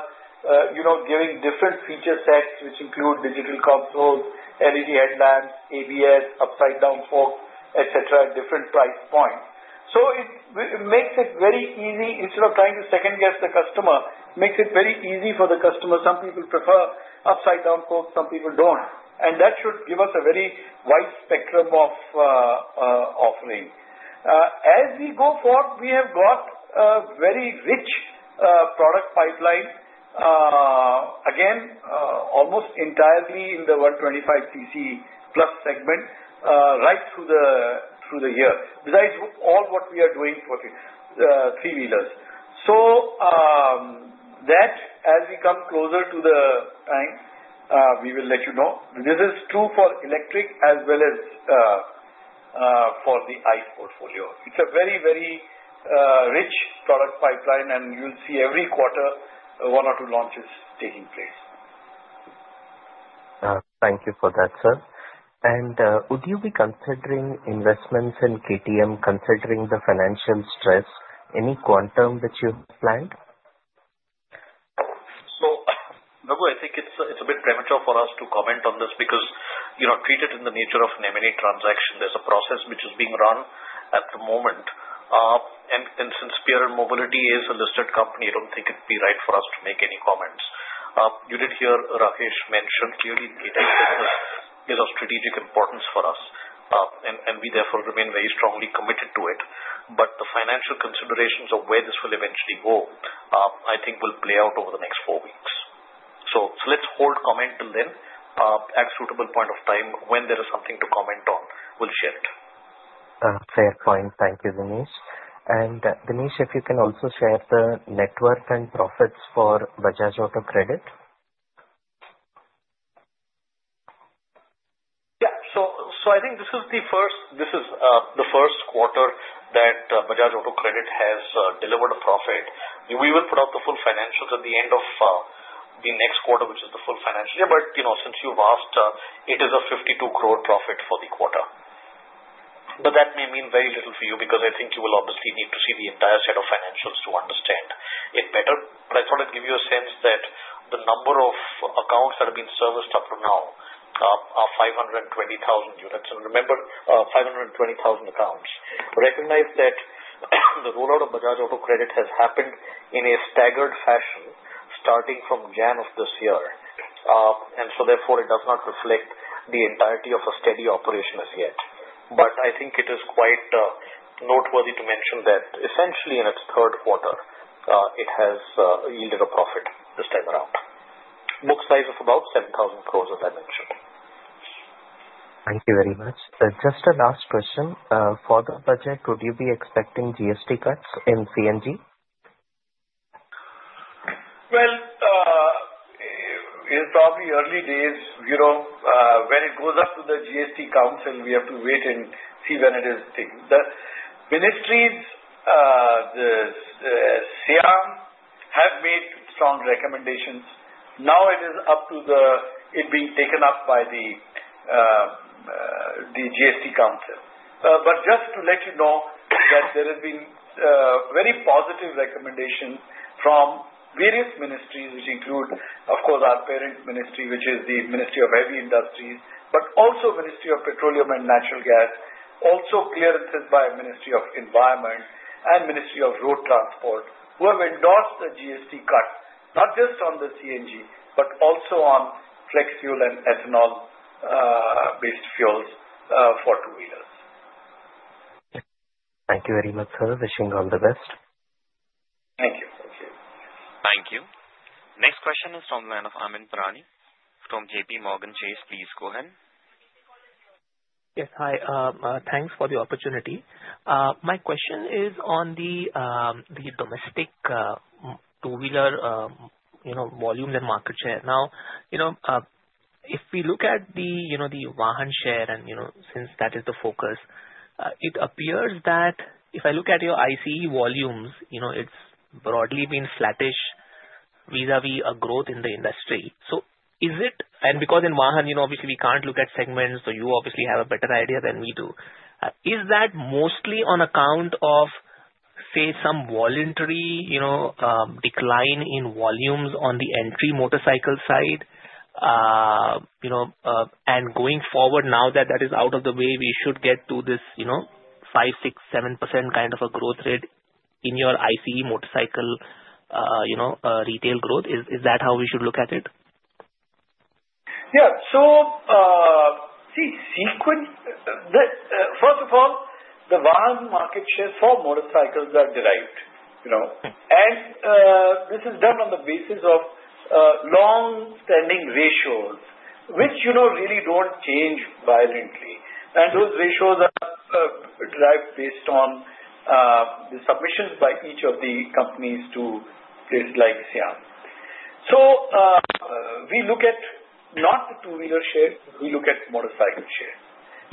giving different feature sets, which include digital consoles, LED headlamps, ABS, upside-down forks, etc., different price points, so it makes it very easy. Instead of trying to second-guess the customer, it makes it very easy for the customer. Some people prefer upside-down forks. Some people don't, and that should give us a very wide spectrum of offering. As we go forward, we have got a very rich product pipeline, again, almost entirely in the 125cc+ segment right through the year, besides all what we are doing for three-wheelers, so that, as we come closer to the time, we will let you know. This is true for electric as well as for the ICE portfolio. It's a very, very rich product pipeline, and you'll see every quarter one or two launches taking place. Thank you for that, sir. And would you be considering investments in KTM considering the financial stress? Any quantum that you have planned? So I think it's a bit premature for us to comment on this because treat it in the nature of an M&A transaction. There's a process which is being run at the moment. And since Pierer Mobility is a listed company, I don't think it'd be right for us to make any comments. You did hear Rakesh mention clearly KTM business is of strategic importance for us, and we therefore remain very strongly committed to it. But the financial considerations of where this will eventually go, I think, will play out over the next four weeks. So let's hold comment till then. At a suitable point of time, when there is something to comment on, we'll share it. Fair point. Thank you, Dinesh. Dinesh, if you can also share the net profit for Bajaj Auto Credit. Yeah. I think this is the first quarter that Bajaj Auto Credit has delivered a profit. We will put out the full financials at the end of the next quarter, which is the full financial year. Since you've asked, it is an 52 crore profit for the quarter. That may mean very little for you because I think you will obviously need to see the entire set of financials to understand it better. I thought I'd give you a sense that the number of accounts that have been serviced up to now are 520,000 units. Remember, 520,000 accounts. Recognize that the rollout of Bajaj Auto Credit has happened in a staggered fashion starting from January of this year. And so therefore, it does not reflect the entirety of a steady operation as yet. But I think it is quite noteworthy to mention that essentially in its third quarter, it has yielded a profit this time around, book size of about 7,000 crores, as I mentioned. Thank you very much. Just a last question. For the budget, would you be expecting GST cuts in CNG? Well, it's probably early days. When it goes up to the GST Council, we have to wait and see when it is taken. The ministries, the SIAM, have made strong recommendations. Now it is up to it being taken up by the GST Council. But just to let you know that there have been very positive recommendations from various ministries, which include, of course, our parent ministry, which is the Ministry of Heavy Industries, but also the Ministry of Petroleum and Natural Gas, also clearances by the Ministry of Environment and the Ministry of Road Transport, who have endorsed the GST cut, not just on the CNG, but also on flex fuel and ethanol-based fuels for two-wheelers. Thank you very much, sir. Wishing all the best. Thank you. Thank you. Thank you. Next question is from the line of Amyn Pirani. From JPMorgan Chase, please go ahead. Yes. Hi. Thanks for the opportunity. My question is on the domestic two-wheeler volume and market share. Now, if we look at the Vahan share and since that is the focus, it appears that if I look at your ICE volumes, it's broadly been flattish vis-à-vis a growth in the industry. So is it? And because in Vahan, obviously, we can't look at segments, so you obviously have a better idea than we do. Is that mostly on account of, say, some voluntary decline in volumes on the entry motorcycle side? And going forward, now that that is out of the way, we should get to this 5%, 6%, 7% kind of a growth rate in your ICE motorcycle retail growth. Is that how we should look at it? Yeah. So see, first of all, the Vahan market share for motorcycles that's derived. And this is done on the basis of long-standing ratios, which really don't change violently. And those ratios are derived based on the submissions by each of the companies to places like SIAM. So we look at not the two-wheeler share. We look at motorcycle share.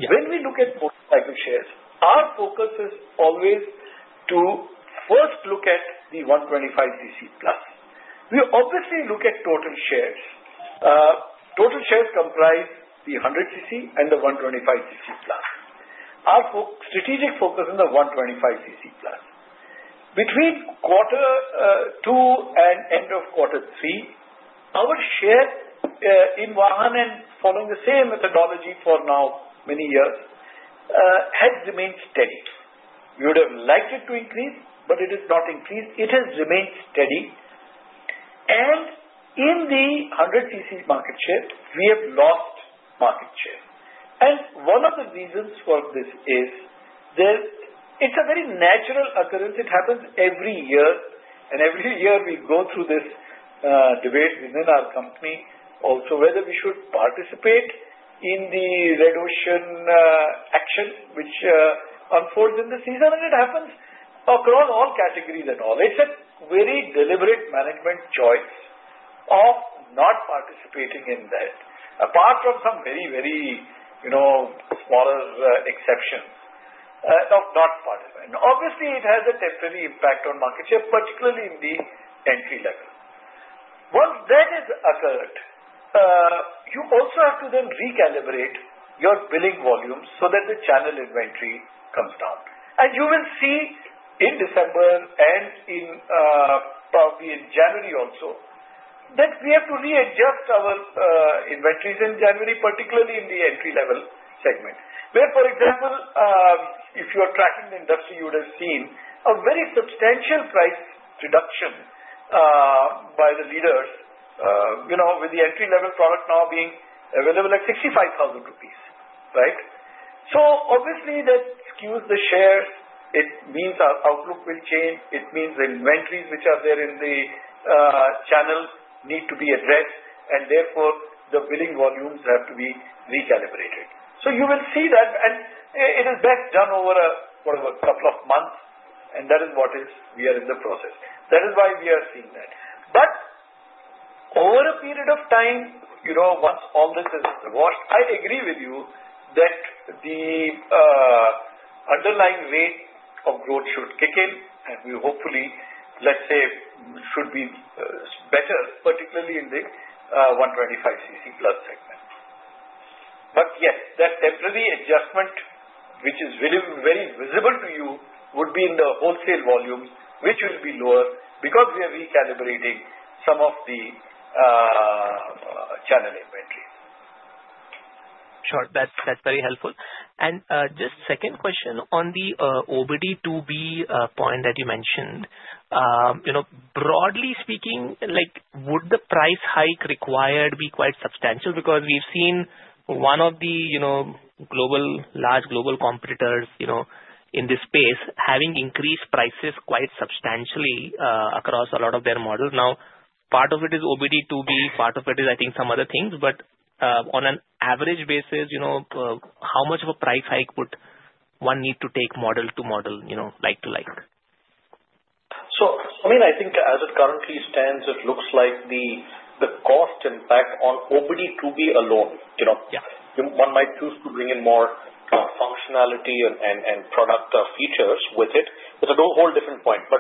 When we look at motorcycle shares, our focus is always to first look at the 125cc+. We obviously look at total shares. Total shares comprise the 100cc and the 125cc+. Our strategic focus is the 125cc+. Between quarter two and end of quarter three, our share in Vahan, and following the same methodology for so many years has remained steady. We would have liked it to increase, but it has not increased. It has remained steady. And in the 100cc market share, we have lost market share. And one of the reasons for this is that it's a very natural occurrence. It happens every year. Every year, we go through this debate within our company also whether we should participate in the red ocean action, which unfolds in the season. It happens across all categories and all. It's a very deliberate management choice of not participating in that, apart from some very, very smaller exceptions of not participating. Obviously, it has a temporary impact on market share, particularly in the entry-level. Once that has occurred, you also have to then recalibrate your billing volumes so that the channel inventory comes down. You will see in December and probably in January also that we have to readjust our inventories in January, particularly in the entry-level segment. For example, if you're tracking the industry, you would have seen a very substantial price reduction by the leaders, with the entry-level product now being available at 65,000 rupees, right? So obviously, that skews the shares. It means our outlook will change. It means the inventories which are there in the channel need to be addressed. And therefore, the billing volumes have to be recalibrated. So you will see that. And it is best done over a couple of months. And that is what we are in the process. That is why we are seeing that. But over a period of time, once all this is washed, I agree with you that the underlying rate of growth should kick in. And we hopefully, let's say, should be better, particularly in the 125cc+ segment. But yes, that temporary adjustment, which is very visible to you, would be in the wholesale volumes, which will be lower because we are recalibrating some of the channel inventories. Sure. That's very helpful. And just second question on the OBD-II B point that you mentioned. Broadly speaking, would the price hike required be quite substantial? Because we've seen one of the large global competitors in this space having increased prices quite substantially across a lot of their models. Now, part of it is OBD-II B; part of it is, I think, some other things. But on an average basis, how much of a price hike would one need to take model to model, like to like? So, I mean, I think as it currently stands, it looks like the cost impact on OBD-II B alone. One might choose to bring in more functionality and product features with it. It's a whole different point. But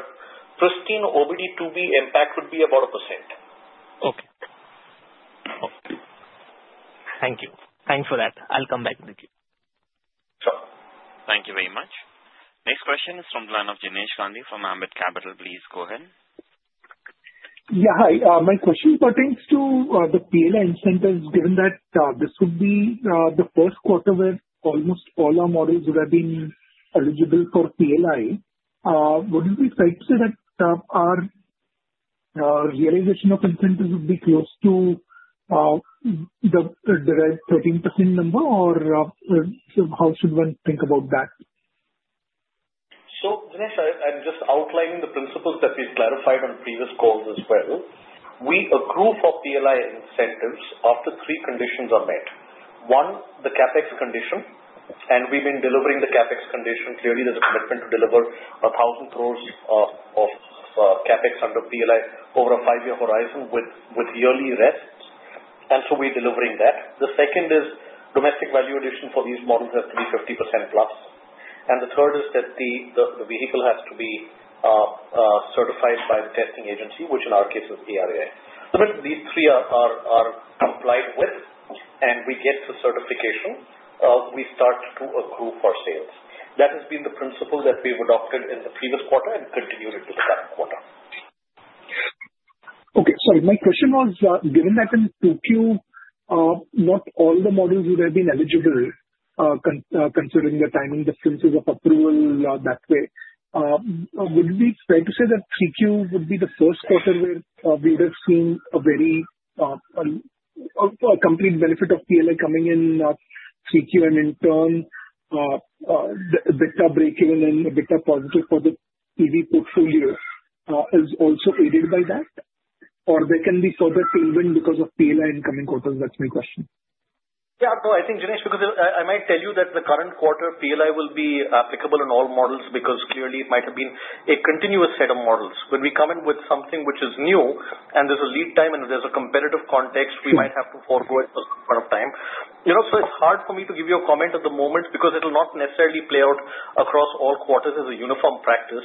pristine OBD-II B impact would be about 1%. Okay. Thank you. Thanks for that. I'll come back with you. Sure. Thank you very much. Next question is from the line of Jinesh Gandhi from Ambit Capital. Please go ahead. Yeah. Hi. My question pertains to the PLI incentives, given that this would be the first quarter where almost all our models would have been eligible for PLI. Would it be safe to say that our realization of incentives would be close to the 13% number, or how should one think about that? So, Jinesh, I'm just outlining the principles that we've clarified on previous calls as well. We accrue for PLI incentives after three conditions are met. One, the CapEx condition. And we've been delivering the CapEx condition clearly. There's a commitment to deliver 1,000 crores of CapEx under PLI over a five-year horizon with yearly rests. And so we're delivering that. The second is domestic value addition for these models has to be 50%+. And the third is that the vehicle has to be certified by the testing agency, which in our case is ARAI. So these three are compliant with, and we get the certification. We start to accrue for sales. That has been the principle that we've adopted in the previous quarter and continued into the current quarter. Okay. Sorry. My question was, given that in 2Q, not all the models would have been eligible, considering the timing differences of approval that way. Would it be fair to say that 3Q would be the first quarter where we would have seen a complete benefit of PLI coming in 3Q? And in turn, the EBITDA breakeven and the EBITDA positive for the EV portfolio is also aided by that? Or there can be further tailwind because of PLI in coming quarters? That's my question. Yeah. No, I think, Jinesh, because I might tell you that the current quarter, PLI will be applicable on all models because clearly it might have been a continuous set of models. When we come in with something which is new and there's a lead time and there's a competitive context, we might have to forgo it for some amount of time. So it's hard for me to give you a comment at the moment because it'll not necessarily play out across all quarters as a uniform practice.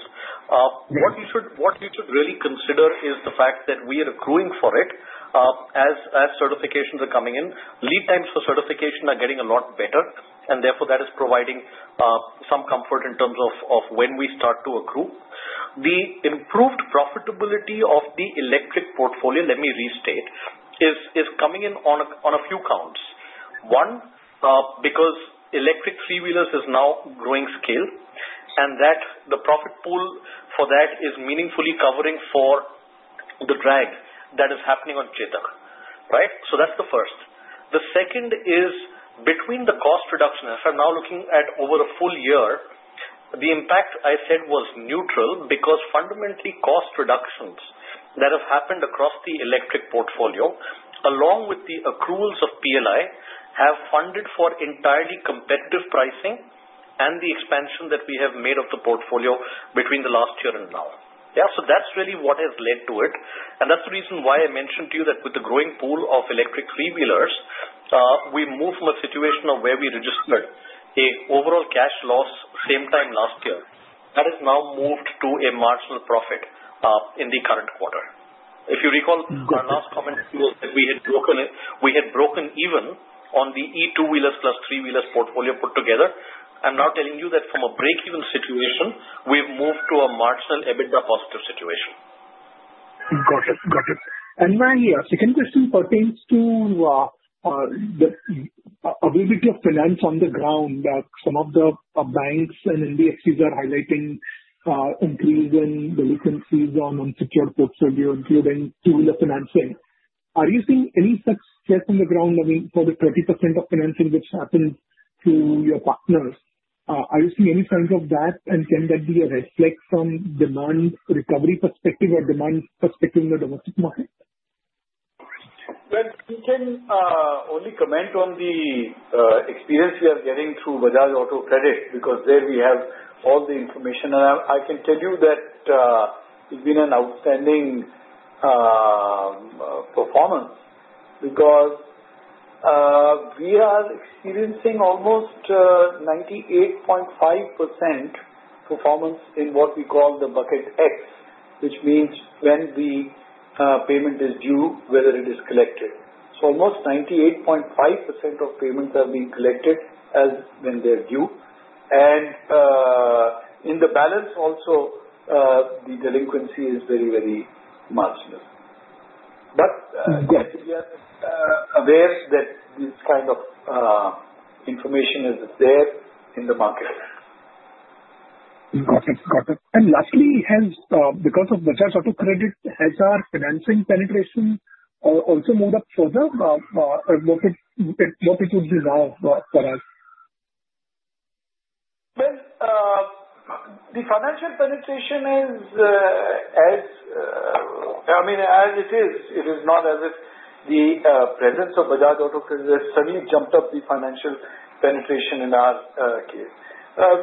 What you should really consider is the fact that we are accruing for it as certifications are coming in. Lead times for certification are getting a lot better, and therefore, that is providing some comfort in terms of when we start to accrue. The improved profitability of the electric portfolio, let me restate, is coming in on a few counts. One, because electric three-wheelers is now growing scale, and that the profit pool for that is meaningfully covering for the drag that is happening on Chetak, right? So that's the first. The second is between the cost reductions. If I'm now looking at over a full year, the impact I said was neutral because fundamentally, cost reductions that have happened across the electric portfolio, along with the accruals of PLI, have funded for entirely competitive pricing and the expansion that we have made of the portfolio between the last year and now. Yeah. So that's really what has led to it. And that's the reason why I mentioned to you that with the growing pool of electric three-wheelers, we moved from a situation of where we registered an overall cash loss same time last year. That has now moved to a marginal profit in the current quarter. If you recall, our last comment was that we had broken even on the EV two-wheelers plus three-wheelers portfolio put together. I'm now telling you that from a breakeven situation, we've moved to a marginal EBITDA positive situation. Got it. Got it. And my second question pertains to the availability of finance on the ground that some of the banks and NBFCs are highlighting increase in delinquencies on unsecured portfolio, including two-wheeler financing. Are you seeing any success on the ground? I mean, for the 30% of financing which happened to your partners, are you seeing any signs of that? And can that be a reflection from demand recovery perspective or demand perspective in the domestic market? Well, you can only comment on the experience we are getting through Bajaj Auto Credit because there we have all the information. I can tell you that it's been an outstanding performance because we are experiencing almost 98.5% performance in what we call the bucket X, which means when the payment is due, whether it is collected. So almost 98.5% of payments have been collected when they're due. And in the balance, also, the delinquency is very, very marginal. But yes, we are aware that this kind of information is there in the market. Got it. Got it. And lastly, because of Bajaj Auto Credit, has our financing penetration also moved up further? What it would be now for us? Well, the financial penetration is, I mean, as it is. It is not as if the presence of Bajaj Auto Credit has suddenly jumped up the financial penetration in our case.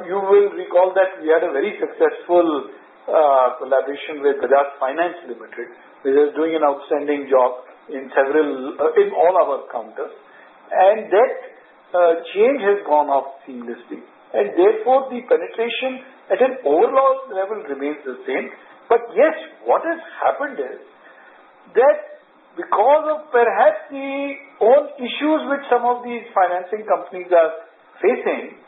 You will recall that we had a very successful collaboration with Bajaj Finance Limited, which is doing an outstanding job in all our counters. And that change has gone off seamlessly. And therefore, the penetration at an overall level remains the same. But yes, what has happened is that because of perhaps the old issues which some of these financing companies are facing,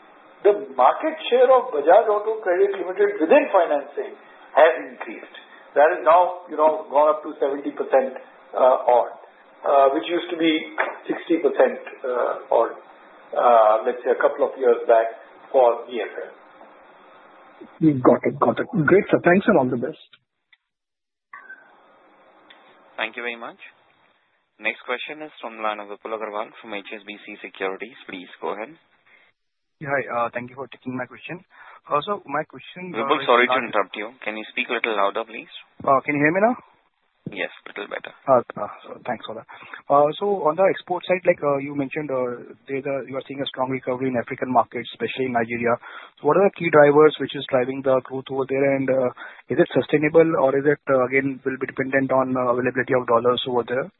the market share of Bajaj Auto Credit Limited within financing has increased. That has now gone up to 70% odd, which used to be 60% odd, let's say, a couple of years back for BFL. Got it. Got it. Great. So thanks, and all the best. Thank you very much. Next question is from Vipul Agrawal from HSBC Securities. Please go ahead. Hi. Thank you for taking my question. So my question is about. We're sorry to interrupt you. Can you speak a little louder, please? Can you hear me now? Yes. A little better. Thanks for that. So on the export side, like you mentioned, you are seeing a strong recovery in African markets, especially in Nigeria. What are the key drivers which are driving the growth over there? And is it sustainable, or is it, again, will be dependent on availability of dollars over there?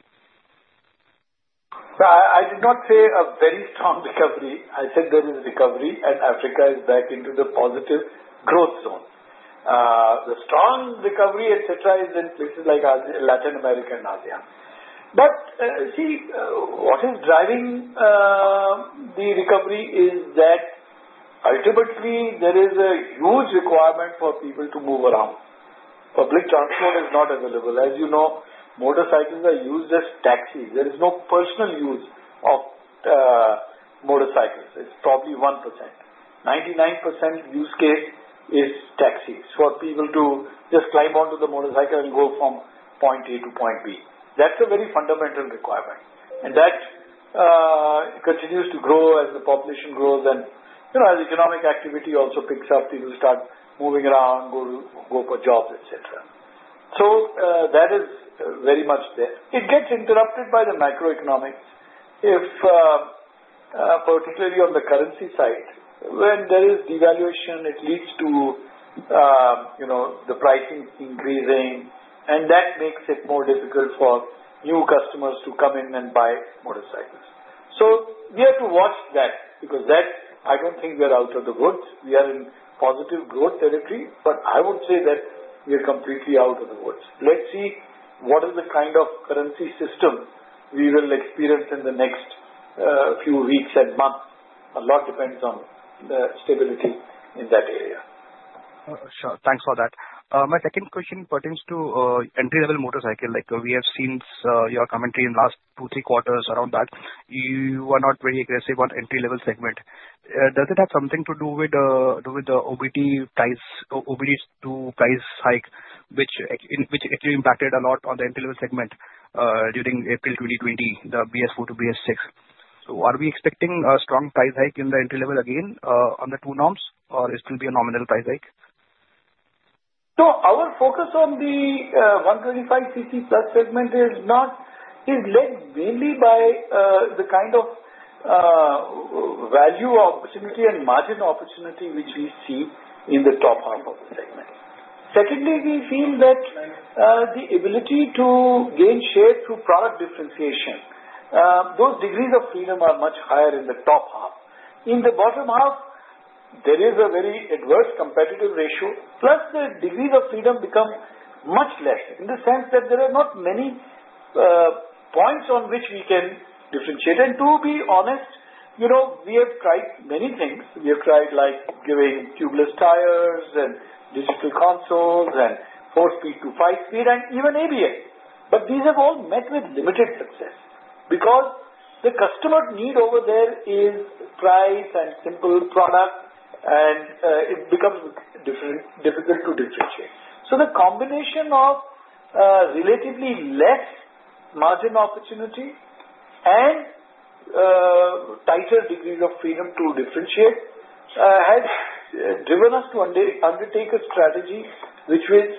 I did not say a very strong recovery. I said there is recovery, and Africa is back into the positive growth zone. The strong recovery, etc., is in places like Latin America and Asia. But see, what is driving the recovery is that ultimately, there is a huge requirement for people to move around. Public transport is not available. As you know, motorcycles are used as taxis. There is no personal use of motorcycles. It's probably 1%. 99% use case is taxis for people to just climb onto the motorcycle and go from point A to point B. That's a very fundamental requirement. And that continues to grow as the population grows and as economic activity also picks up. People start moving around, go for jobs, etc. So that is very much there. It gets interrupted by the macroeconomics, particularly on the currency side. When there is devaluation, it leads to the pricing increasing, and that makes it more difficult for new customers to come in and buy motorcycles. So we have to watch that because I don't think we are out of the woods. We are in positive growth territory, but I would say that we are completely out of the woods. Let's see what is the kind of currency system we will experience in the next few weeks and months. A lot depends on the stability in that area. Sure. Thanks for that. My second question pertains to entry-level motorcycle. We have seen your commentary in the last two, three quarters around that. You were not very aggressive on entry-level segment. Does it have something to do with the OBD-II B price hike, which actually impacted a lot on the entry-level segment during April 2020, the BS4 to BS6?So are we expecting a strong price hike in the entry-level again on the two norms, or it will be a nominal price hike? So our focus on the 125cc+ segment is led mainly by the kind of value opportunity and margin opportunity which we see in the top half of the segment. Secondly, we feel that the ability to gain share through product differentiation, those degrees of freedom are much higher in the top half. In the bottom half, there is a very adverse competitive ratio, plus the degrees of freedom become much less in the sense that there are not many points on which we can differentiate. And to be honest, we have tried many things. We have tried giving tubeless tires and digital consoles and four-speed to five-speed and even ABS. But these have all met with limited success because the customer need over there is price and simple product, and it becomes difficult to differentiate. So the combination of relatively less margin opportunity and tighter degrees of freedom to differentiate has driven us to undertake a strategy which is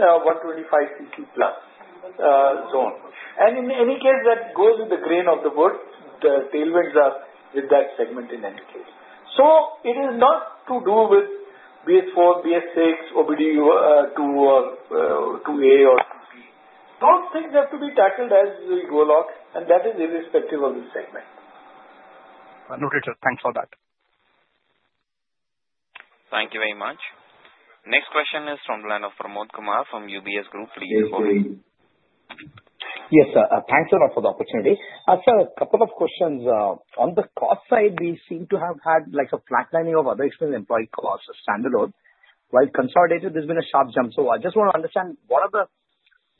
125cc+ zone. And in any case, that goes with the grain of the wood. The tailwinds are with that segment in any case. So it is not to do with BS4, BS6, OBD2, or 2A or 2B. Those things have to be tackled as we go along, and that is irrespective of the segment. Understood. Thanks for that. Thank you very much. Next question is from the line of Pramod Kumar from UBS Group. Please go ahead. Yes, sir. Thanks a lot for the opportunity. I've got a couple of questions. On the cost side, we seem to have had a flatlining of other expenses, employee costs, standalone. While consolidated, there's been a sharp jump. So I just want to understand what are the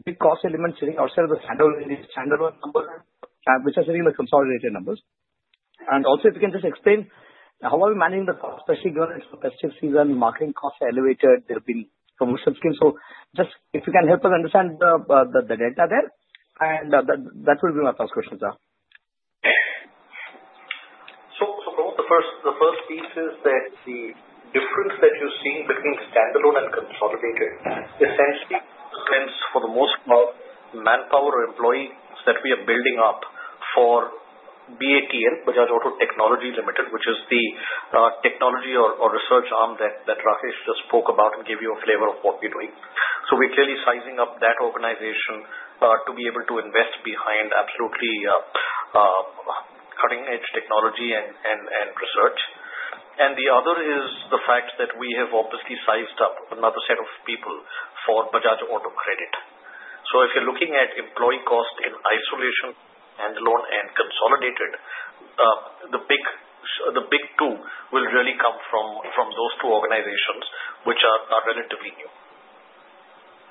big cost elements sitting outside of the standalone numbers, which are sitting in the consolidated numbers? And also, if you can just explain how are we managing the cost, especially given it's festive season, marketing costs are elevated, there have been promotion schemes. So just if you can help us understand the data there, and that will be my first question, sir. So the first piece is that the difference that you're seeing between standalone and consolidated essentially depends for the most part on manpower or employees that we are building up for BATL, Bajaj Auto Technology Limited, which is the technology or research arm that Rakesh just spoke about and gave you a flavor of what we're doing. So we're clearly sizing up that organization to be able to invest behind absolutely cutting-edge technology and research. And the other is the fact that we have obviously sized up another set of people for Bajaj Auto Credit. So if you're looking at employee cost in isolation, standalone, and consolidated, the big two will really come from those two organizations, which are relatively new.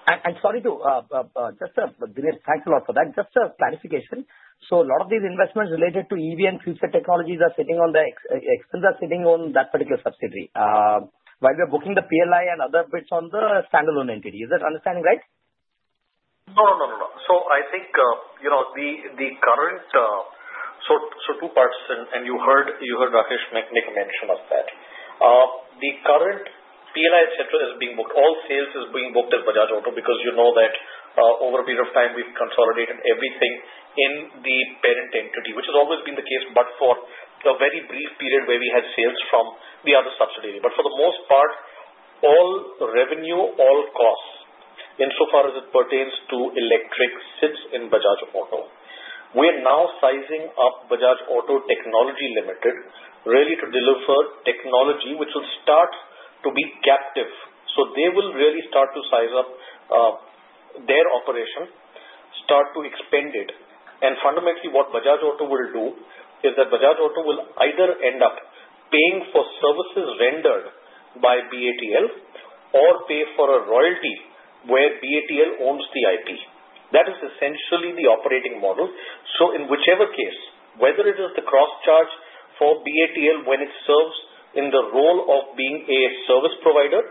And, sorry, just a minute. Thanks a lot for that. Just a clarification. So a lot of these investments related to EV and future technologies are sitting on the expenses, are sitting on that particular subsidiary. While we are booking the PLI and other bits on the standalone entity. Is that understanding right? No, no, no, no, no. So I think the current, two parts, and you heard Rakesh Sharma mention that. The current PLI, etc., is being booked. All sales is being booked at Bajaj Auto because you know that over a period of time, we've consolidated everything in the parent entity, which has always been the case, but for a very brief period where we had sales from the other subsidiary. But for the most part, all revenue, all costs, insofar as it pertains to electric, sits in Bajaj Auto. We are now sizing up Bajaj Auto Technology Limited really to deliver technology, which will start to be captive. They will really start to size up their operation, start to expand it. Fundamentally, what Bajaj Auto will do is that Bajaj Auto will either end up paying for services rendered by BATL or pay for a royalty where BATL owns the IP. That is essentially the operating model. In whichever case, whether it is the cross-charge for BATL when it serves in the role of being a service provider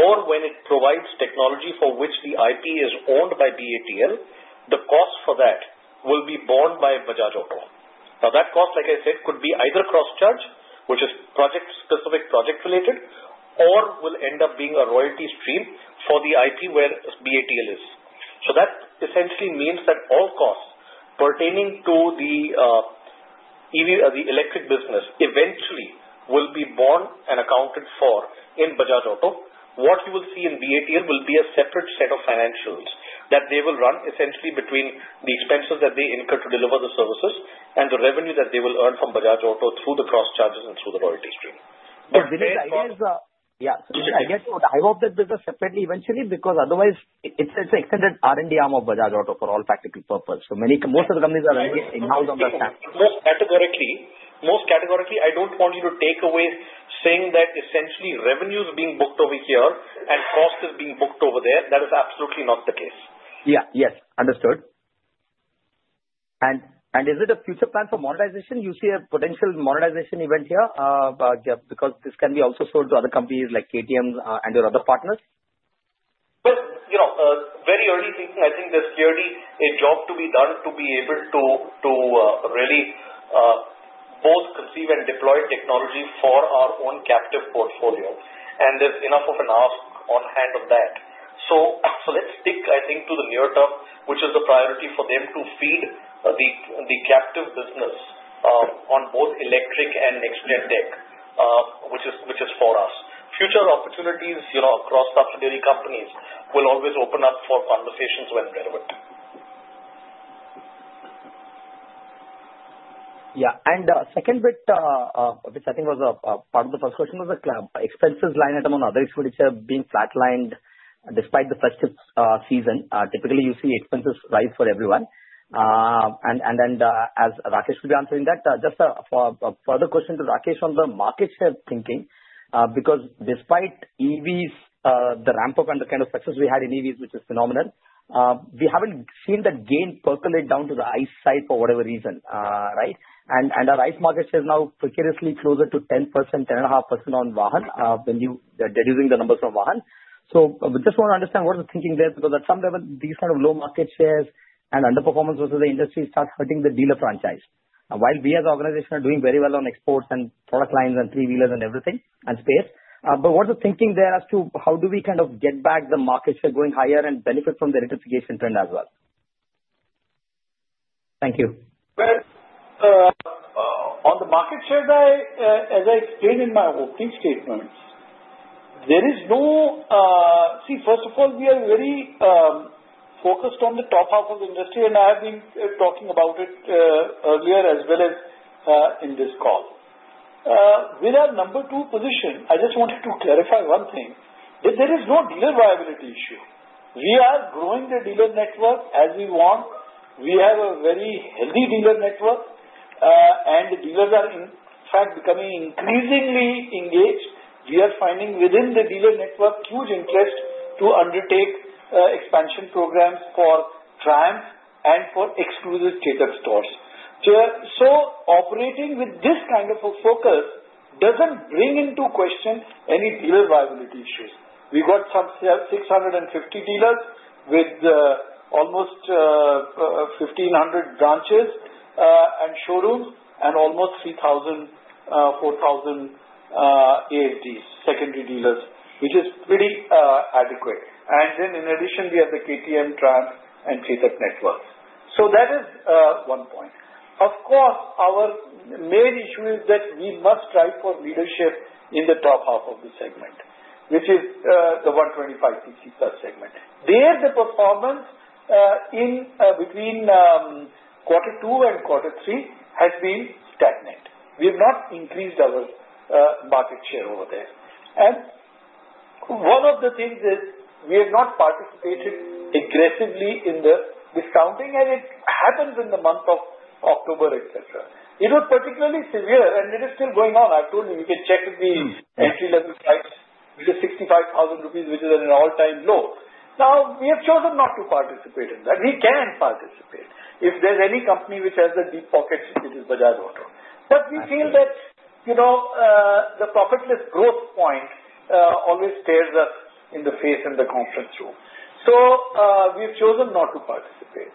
or when it provides technology for which the IP is owned by BATL, the cost for that will be borne by Bajaj Auto. Now, that cost, like I said, could be either cross-charge, which is specific project-related, or will end up being a royalty stream for the IP where BATL is. That essentially means that all costs pertaining to the electric business eventually will be borne and accounted for in Bajaj Auto. What you will see in BATL will be a separate set of financials that they will run essentially between the expenses that they incur to deliver the services and the revenue that they will earn from Bajaj Auto through the cross-charges and through the royalty stream. But this is the idea is that yeah. So I guess I hope that this is separate eventually because otherwise, it's an extended R&D arm of Bajaj Auto for all practical purposes. So most of the companies are running it in-house on that stand. Categorically, most categorically, I don't want you to take away saying that essentially revenue is being booked over here and cost is being booked over there. That is absolutely not the case. Yeah. Yes. Understood. And is it a future plan for modernization? You see a potential modernization event here because this can be also sold to other companies like KTM and your other partners? Well, very early thinking. I think there's clearly a job to be done to be able to really both conceive and deploy technology for our own captive portfolio. And there's enough of an ask on hand of that. So let's stick, I think, to the near term, which is the priority for them to feed the captive business on both electric and next-gen tech, which is for us. Future opportunities across subsidiary companies will always open up for conversations when relevant. Yeah. And second bit, which I think was part of the first question, was the expenses line item on other expenditure being flatlined despite the festive season. Typically, you see expenses rise for everyone. And then as Rakesh will be answering that, just a further question to Rakesh on the market share thinking because despite EVs, the ramp-up and the kind of success we had in EVs, which is phenomenal, we haven't seen that gain percolate down to the ICE side for whatever reason, right? And our ICE market share is now precariously closer to 10% on Vahan when you're deducing the numbers from Vahan. So we just want to understand what is the thinking there because at some level, these kind of low market shares and underperformance versus the industry starts hurting the dealer franchise. While we as an organization are doing very well on exports and product lines and three-wheelers and everything and space, but what is the thinking there as to how do we kind of get back the market share going higher and benefit from the electrification trend as well? Thank you. Well, on the market share, as I explained in my opening statements, there is no, see, first of all, we are very focused on the top half of the industry, and I have been talking about it earlier as well as in this call. With our number two position, I just wanted to clarify one thing. There is no dealer viability issue. We are growing the dealer network as we want. We have a very healthy dealer network, and the dealers are, in fact, becoming increasingly engaged. We are finding within the dealer network huge interest to undertake expansion programs for Triumph and for exclusive standalone stores. So operating with this kind of a focus doesn't bring into question any dealer viability issues. We got 650 dealers with almost 1,500 branches and showrooms and almost 3,000 ASDs,4,000 ASDs, secondary dealers, which is pretty adequate. And then in addition, we have the KTM, Triumph, and standalone network. So that is one point. Of course, our main issue is that we must strive for leadership in the top half of the segment, which is the 125cc segment. There, the performance between quarter two and quarter three has been stagnant. We have not increased our market share over there. And one of the things is we have not participated aggressively in the discounting, and it happens in the month of October, etc. It was particularly severe, and it is still going on. I've told you, you can check the entry-level price with the 65,000 rupees, which is at an all-time low. Now, we have chosen not to participate in that. We can participate if there's any company which has the deep pockets, which is Bajaj Auto. But we feel that the profitless growth point always stares us in the face in the conference room. So we've chosen not to participate.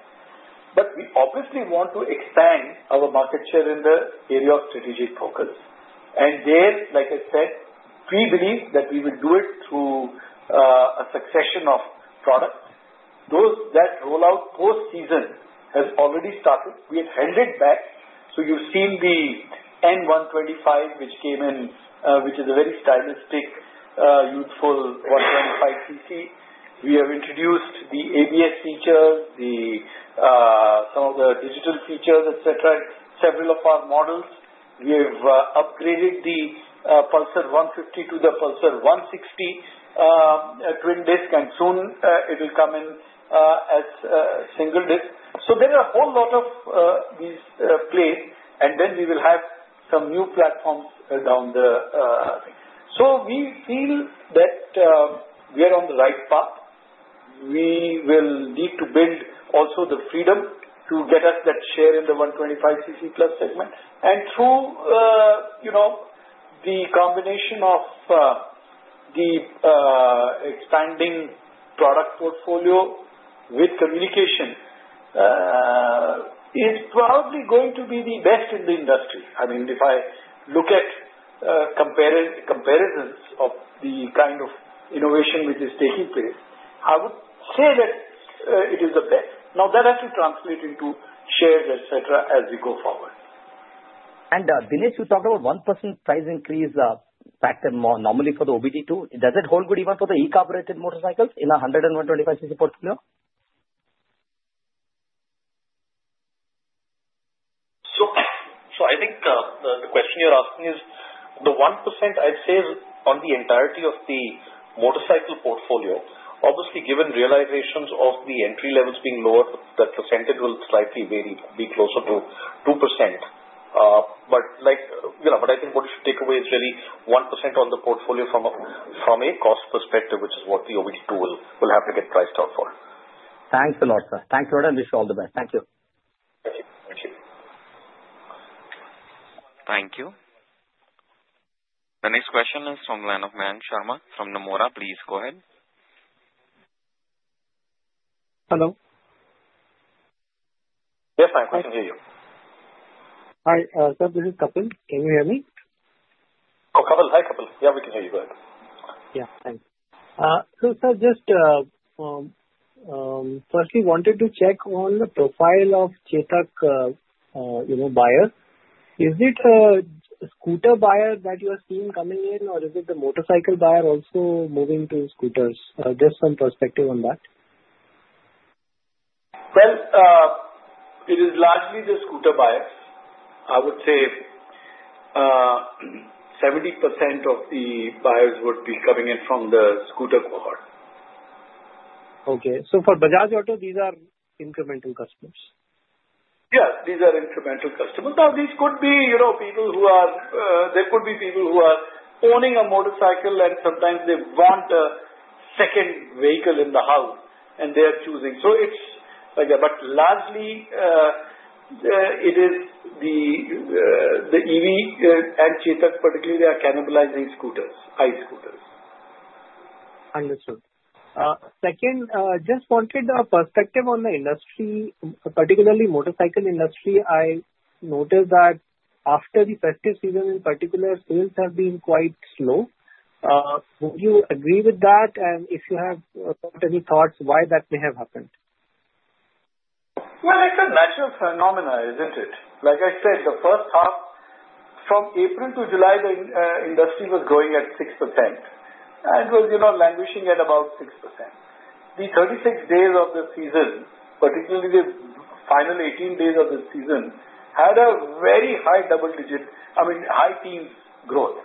But we obviously want to expand our market share in the area of strategic focus. And there, like I said, we believe that we will do it through a succession of products. That rollout post-season has already started. We have handed back. So you've seen the N125, which came in, which is a very stylistic, youthful 125cc. We have introduced the ABS features, some of the digital features, etc., several of our models. We have upgraded the Pulsar 150 to the Pulsar 160 twin disc, and soon it will come in as single disc. So there are a whole lot of these plays, and then we will have some new platforms down the line. So we feel that we are on the right path. We will need to build also the Freedom to get us that share in the 125cc+ segment. And through the combination of the expanding product portfolio with communication is probably going to be the best in the industry. I mean, if I look at comparisons of the kind of innovation which is taking place, I would say that it is the best. Now, that has to translate into shares, etc., as we go forward. And Dinesh, you talked about 1% price increase factor normally for the OBD2. Does it hold good even for the carbureted motorcycles in a 100cc and 125cc portfolio? So I think the question you're asking is the 1%, I'd say, is on the entirety of the motorcycle portfolio. Obviously, given realizations of the entry levels being lower, the percentage will slightly be closer to 2%. But I think what you should take away is really 1% on the portfolio from a cost perspective, which is what the OBD-II B will have to get priced out for. Thanks a lot, sir. Thank you, and I wish you all the best. Thank you. Thank you. The next question is from Sharma from Nomura. Please go ahead. Hello. Yes, I can hear you. Hi, sir. This is Kapil. Can you hear me? Oh, Kapil. Hi, Kapil. Yeah, we can hear you good. Yeah. Thanks. Sir, just first, we wanted to check on the profile of Chetak buyers. Is it a scooter buyer that you are seeing coming in, or is it the motorcycle buyer also moving to scooters? Just some perspective on that. Well, it is largely the scooter buyers. I would say 70% of the buyers would be coming in from the scooter cohort. Okay. For Bajaj Auto, these are incremental customers? Yes, these are incremental customers. Now, these could be people who are. There could be people who are owning a motorcycle, and sometimes they want a second vehicle in the house, and they are choosing. It's largely the EV and Chetak, particularly. They are cannibalizing scooters, ICE scooters. Understood. Second, just wanted a perspective on the industry, particularly motorcycle industry. I noticed that after the festive season, in particular, sales have been quite slow. Would you agree with that? And if you have any thoughts, why that may have happened? Well, it's a natural phenomenon, isn't it? Like I said, the first half, from April to July, the industry was growing at 6% and was languishing at about 6%. The 36 days of the season, particularly the final 18 days of the season, had a very high double-digit, I mean, high teens growth,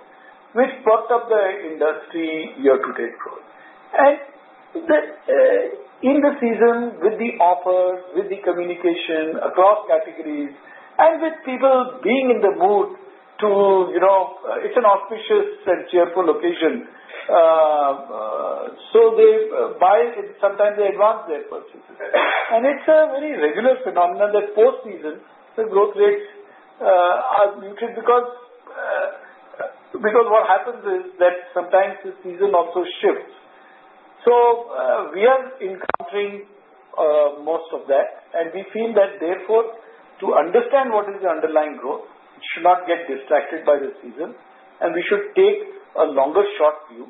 which brought up the industry year-to-date growth. And in the season, with the offers, with the communication across categories, and with people being in the mood to it's an auspicious and cheerful occasion, so sometimes they advance their purchases. And it's a very regular phenomenon that post-season, the growth rates are muted because what happens is that sometimes the season also shifts. We are encountering most of that, and we feel that, therefore, to understand what is the underlying growth, we should not get distracted by the season, and we should take a longer short view.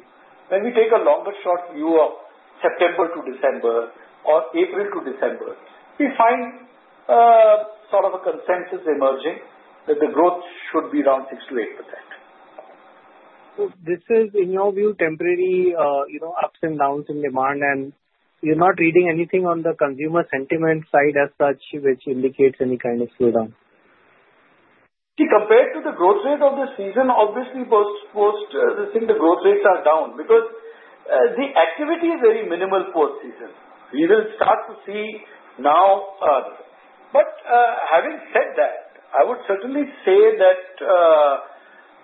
When we take a longer short view of September to December or April to December, we find sort of a consensus emerging that the growth should be around6%-8% This is, in your view, temporary ups and downs in demand, and you're not reading anything on the consumer sentiment side as such, which indicates any kind of slowdown? Compared to the growth rate of the season, obviously, post-season, the growth rates are down because the activity is very minimal post-season. We will start to see now. But having said that, I would certainly say that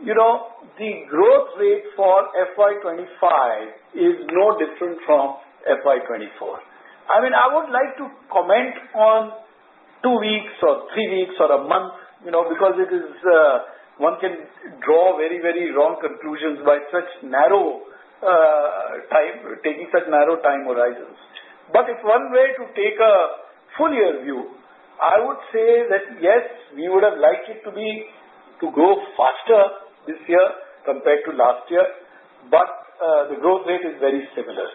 the growth rate for FY 2025 is no different from FY 2024. I mean, I would like to comment on two weeks or three weeks or a month because one can draw very, very wrong conclusions by such narrow time, taking such narrow time horizons. But if one were to take a full year view, I would say that, yes, we would have liked it to grow faster this year compared to last year, but the growth rate is very similar.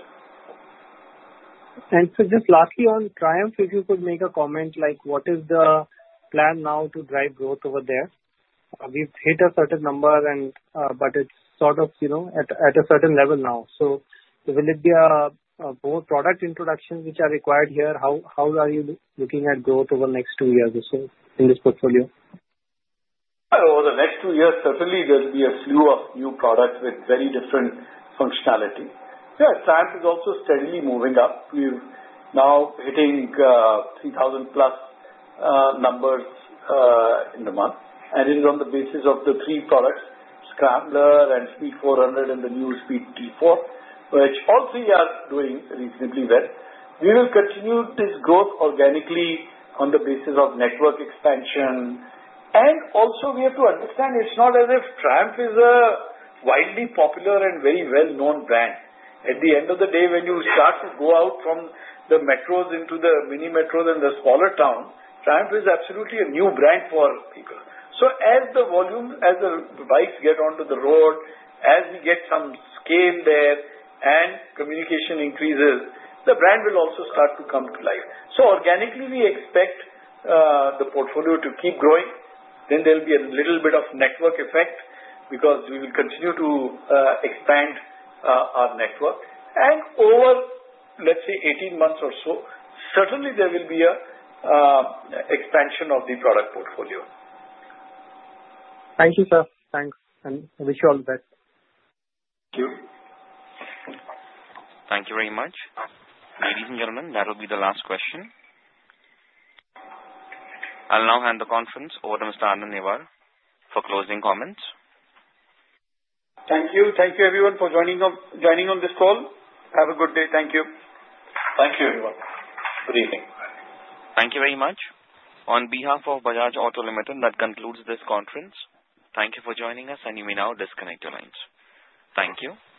And so just lastly, on Triumph, if you could make a comment, like, what is the plan now to drive growth over there? We've hit a certain number, but it's sort of at a certain level now. So will it be both product introductions which are required here? How are you looking at growth over the next two years or so in this portfolio? Over the next two years, certainly, there will be a slew of new products with very different functionality. Yeah, Triumph is also steadily moving up. We're now hitting 3,000+ numbers in the month, and it is on the basis of the three products, Scrambler and Speed 400 and the new Speed T4, which all three are doing reasonably well. We will continue this growth organically on the basis of network expansion. And also, we have to understand it's not as if Triumph is a widely popular and very well-known brand. At the end of the day, when you start to go out from the metros into the mini-metros and the smaller towns, Triumph is absolutely a new brand for people. So as the volume, as the bikes get onto the road, as we get some scale there and communication increases, the brand will also start to come to life. So organically, we expect the portfolio to keep growing. Then there'll be a little bit of network effect because we will continue to expand our network. And over, let's say, 18 months or so, certainly, there will be an expansion of the product portfolio. Thank you, sir. Thanks. And I wish you all the best. Thank you. Thank you very much. Ladies and gentlemen, that will be the last question. I'll now hand the conference over to Mr. Anand Newar for closing comments. Thank you. Thank you, everyone, for joining on this call. Have a good day. Thank you. Thank you, everyone. Good evening. Thank you very much. On behalf of Bajaj Auto Limited, that concludes this conference. Thank you for joining us, and you may now disconnect your lines. Thank you.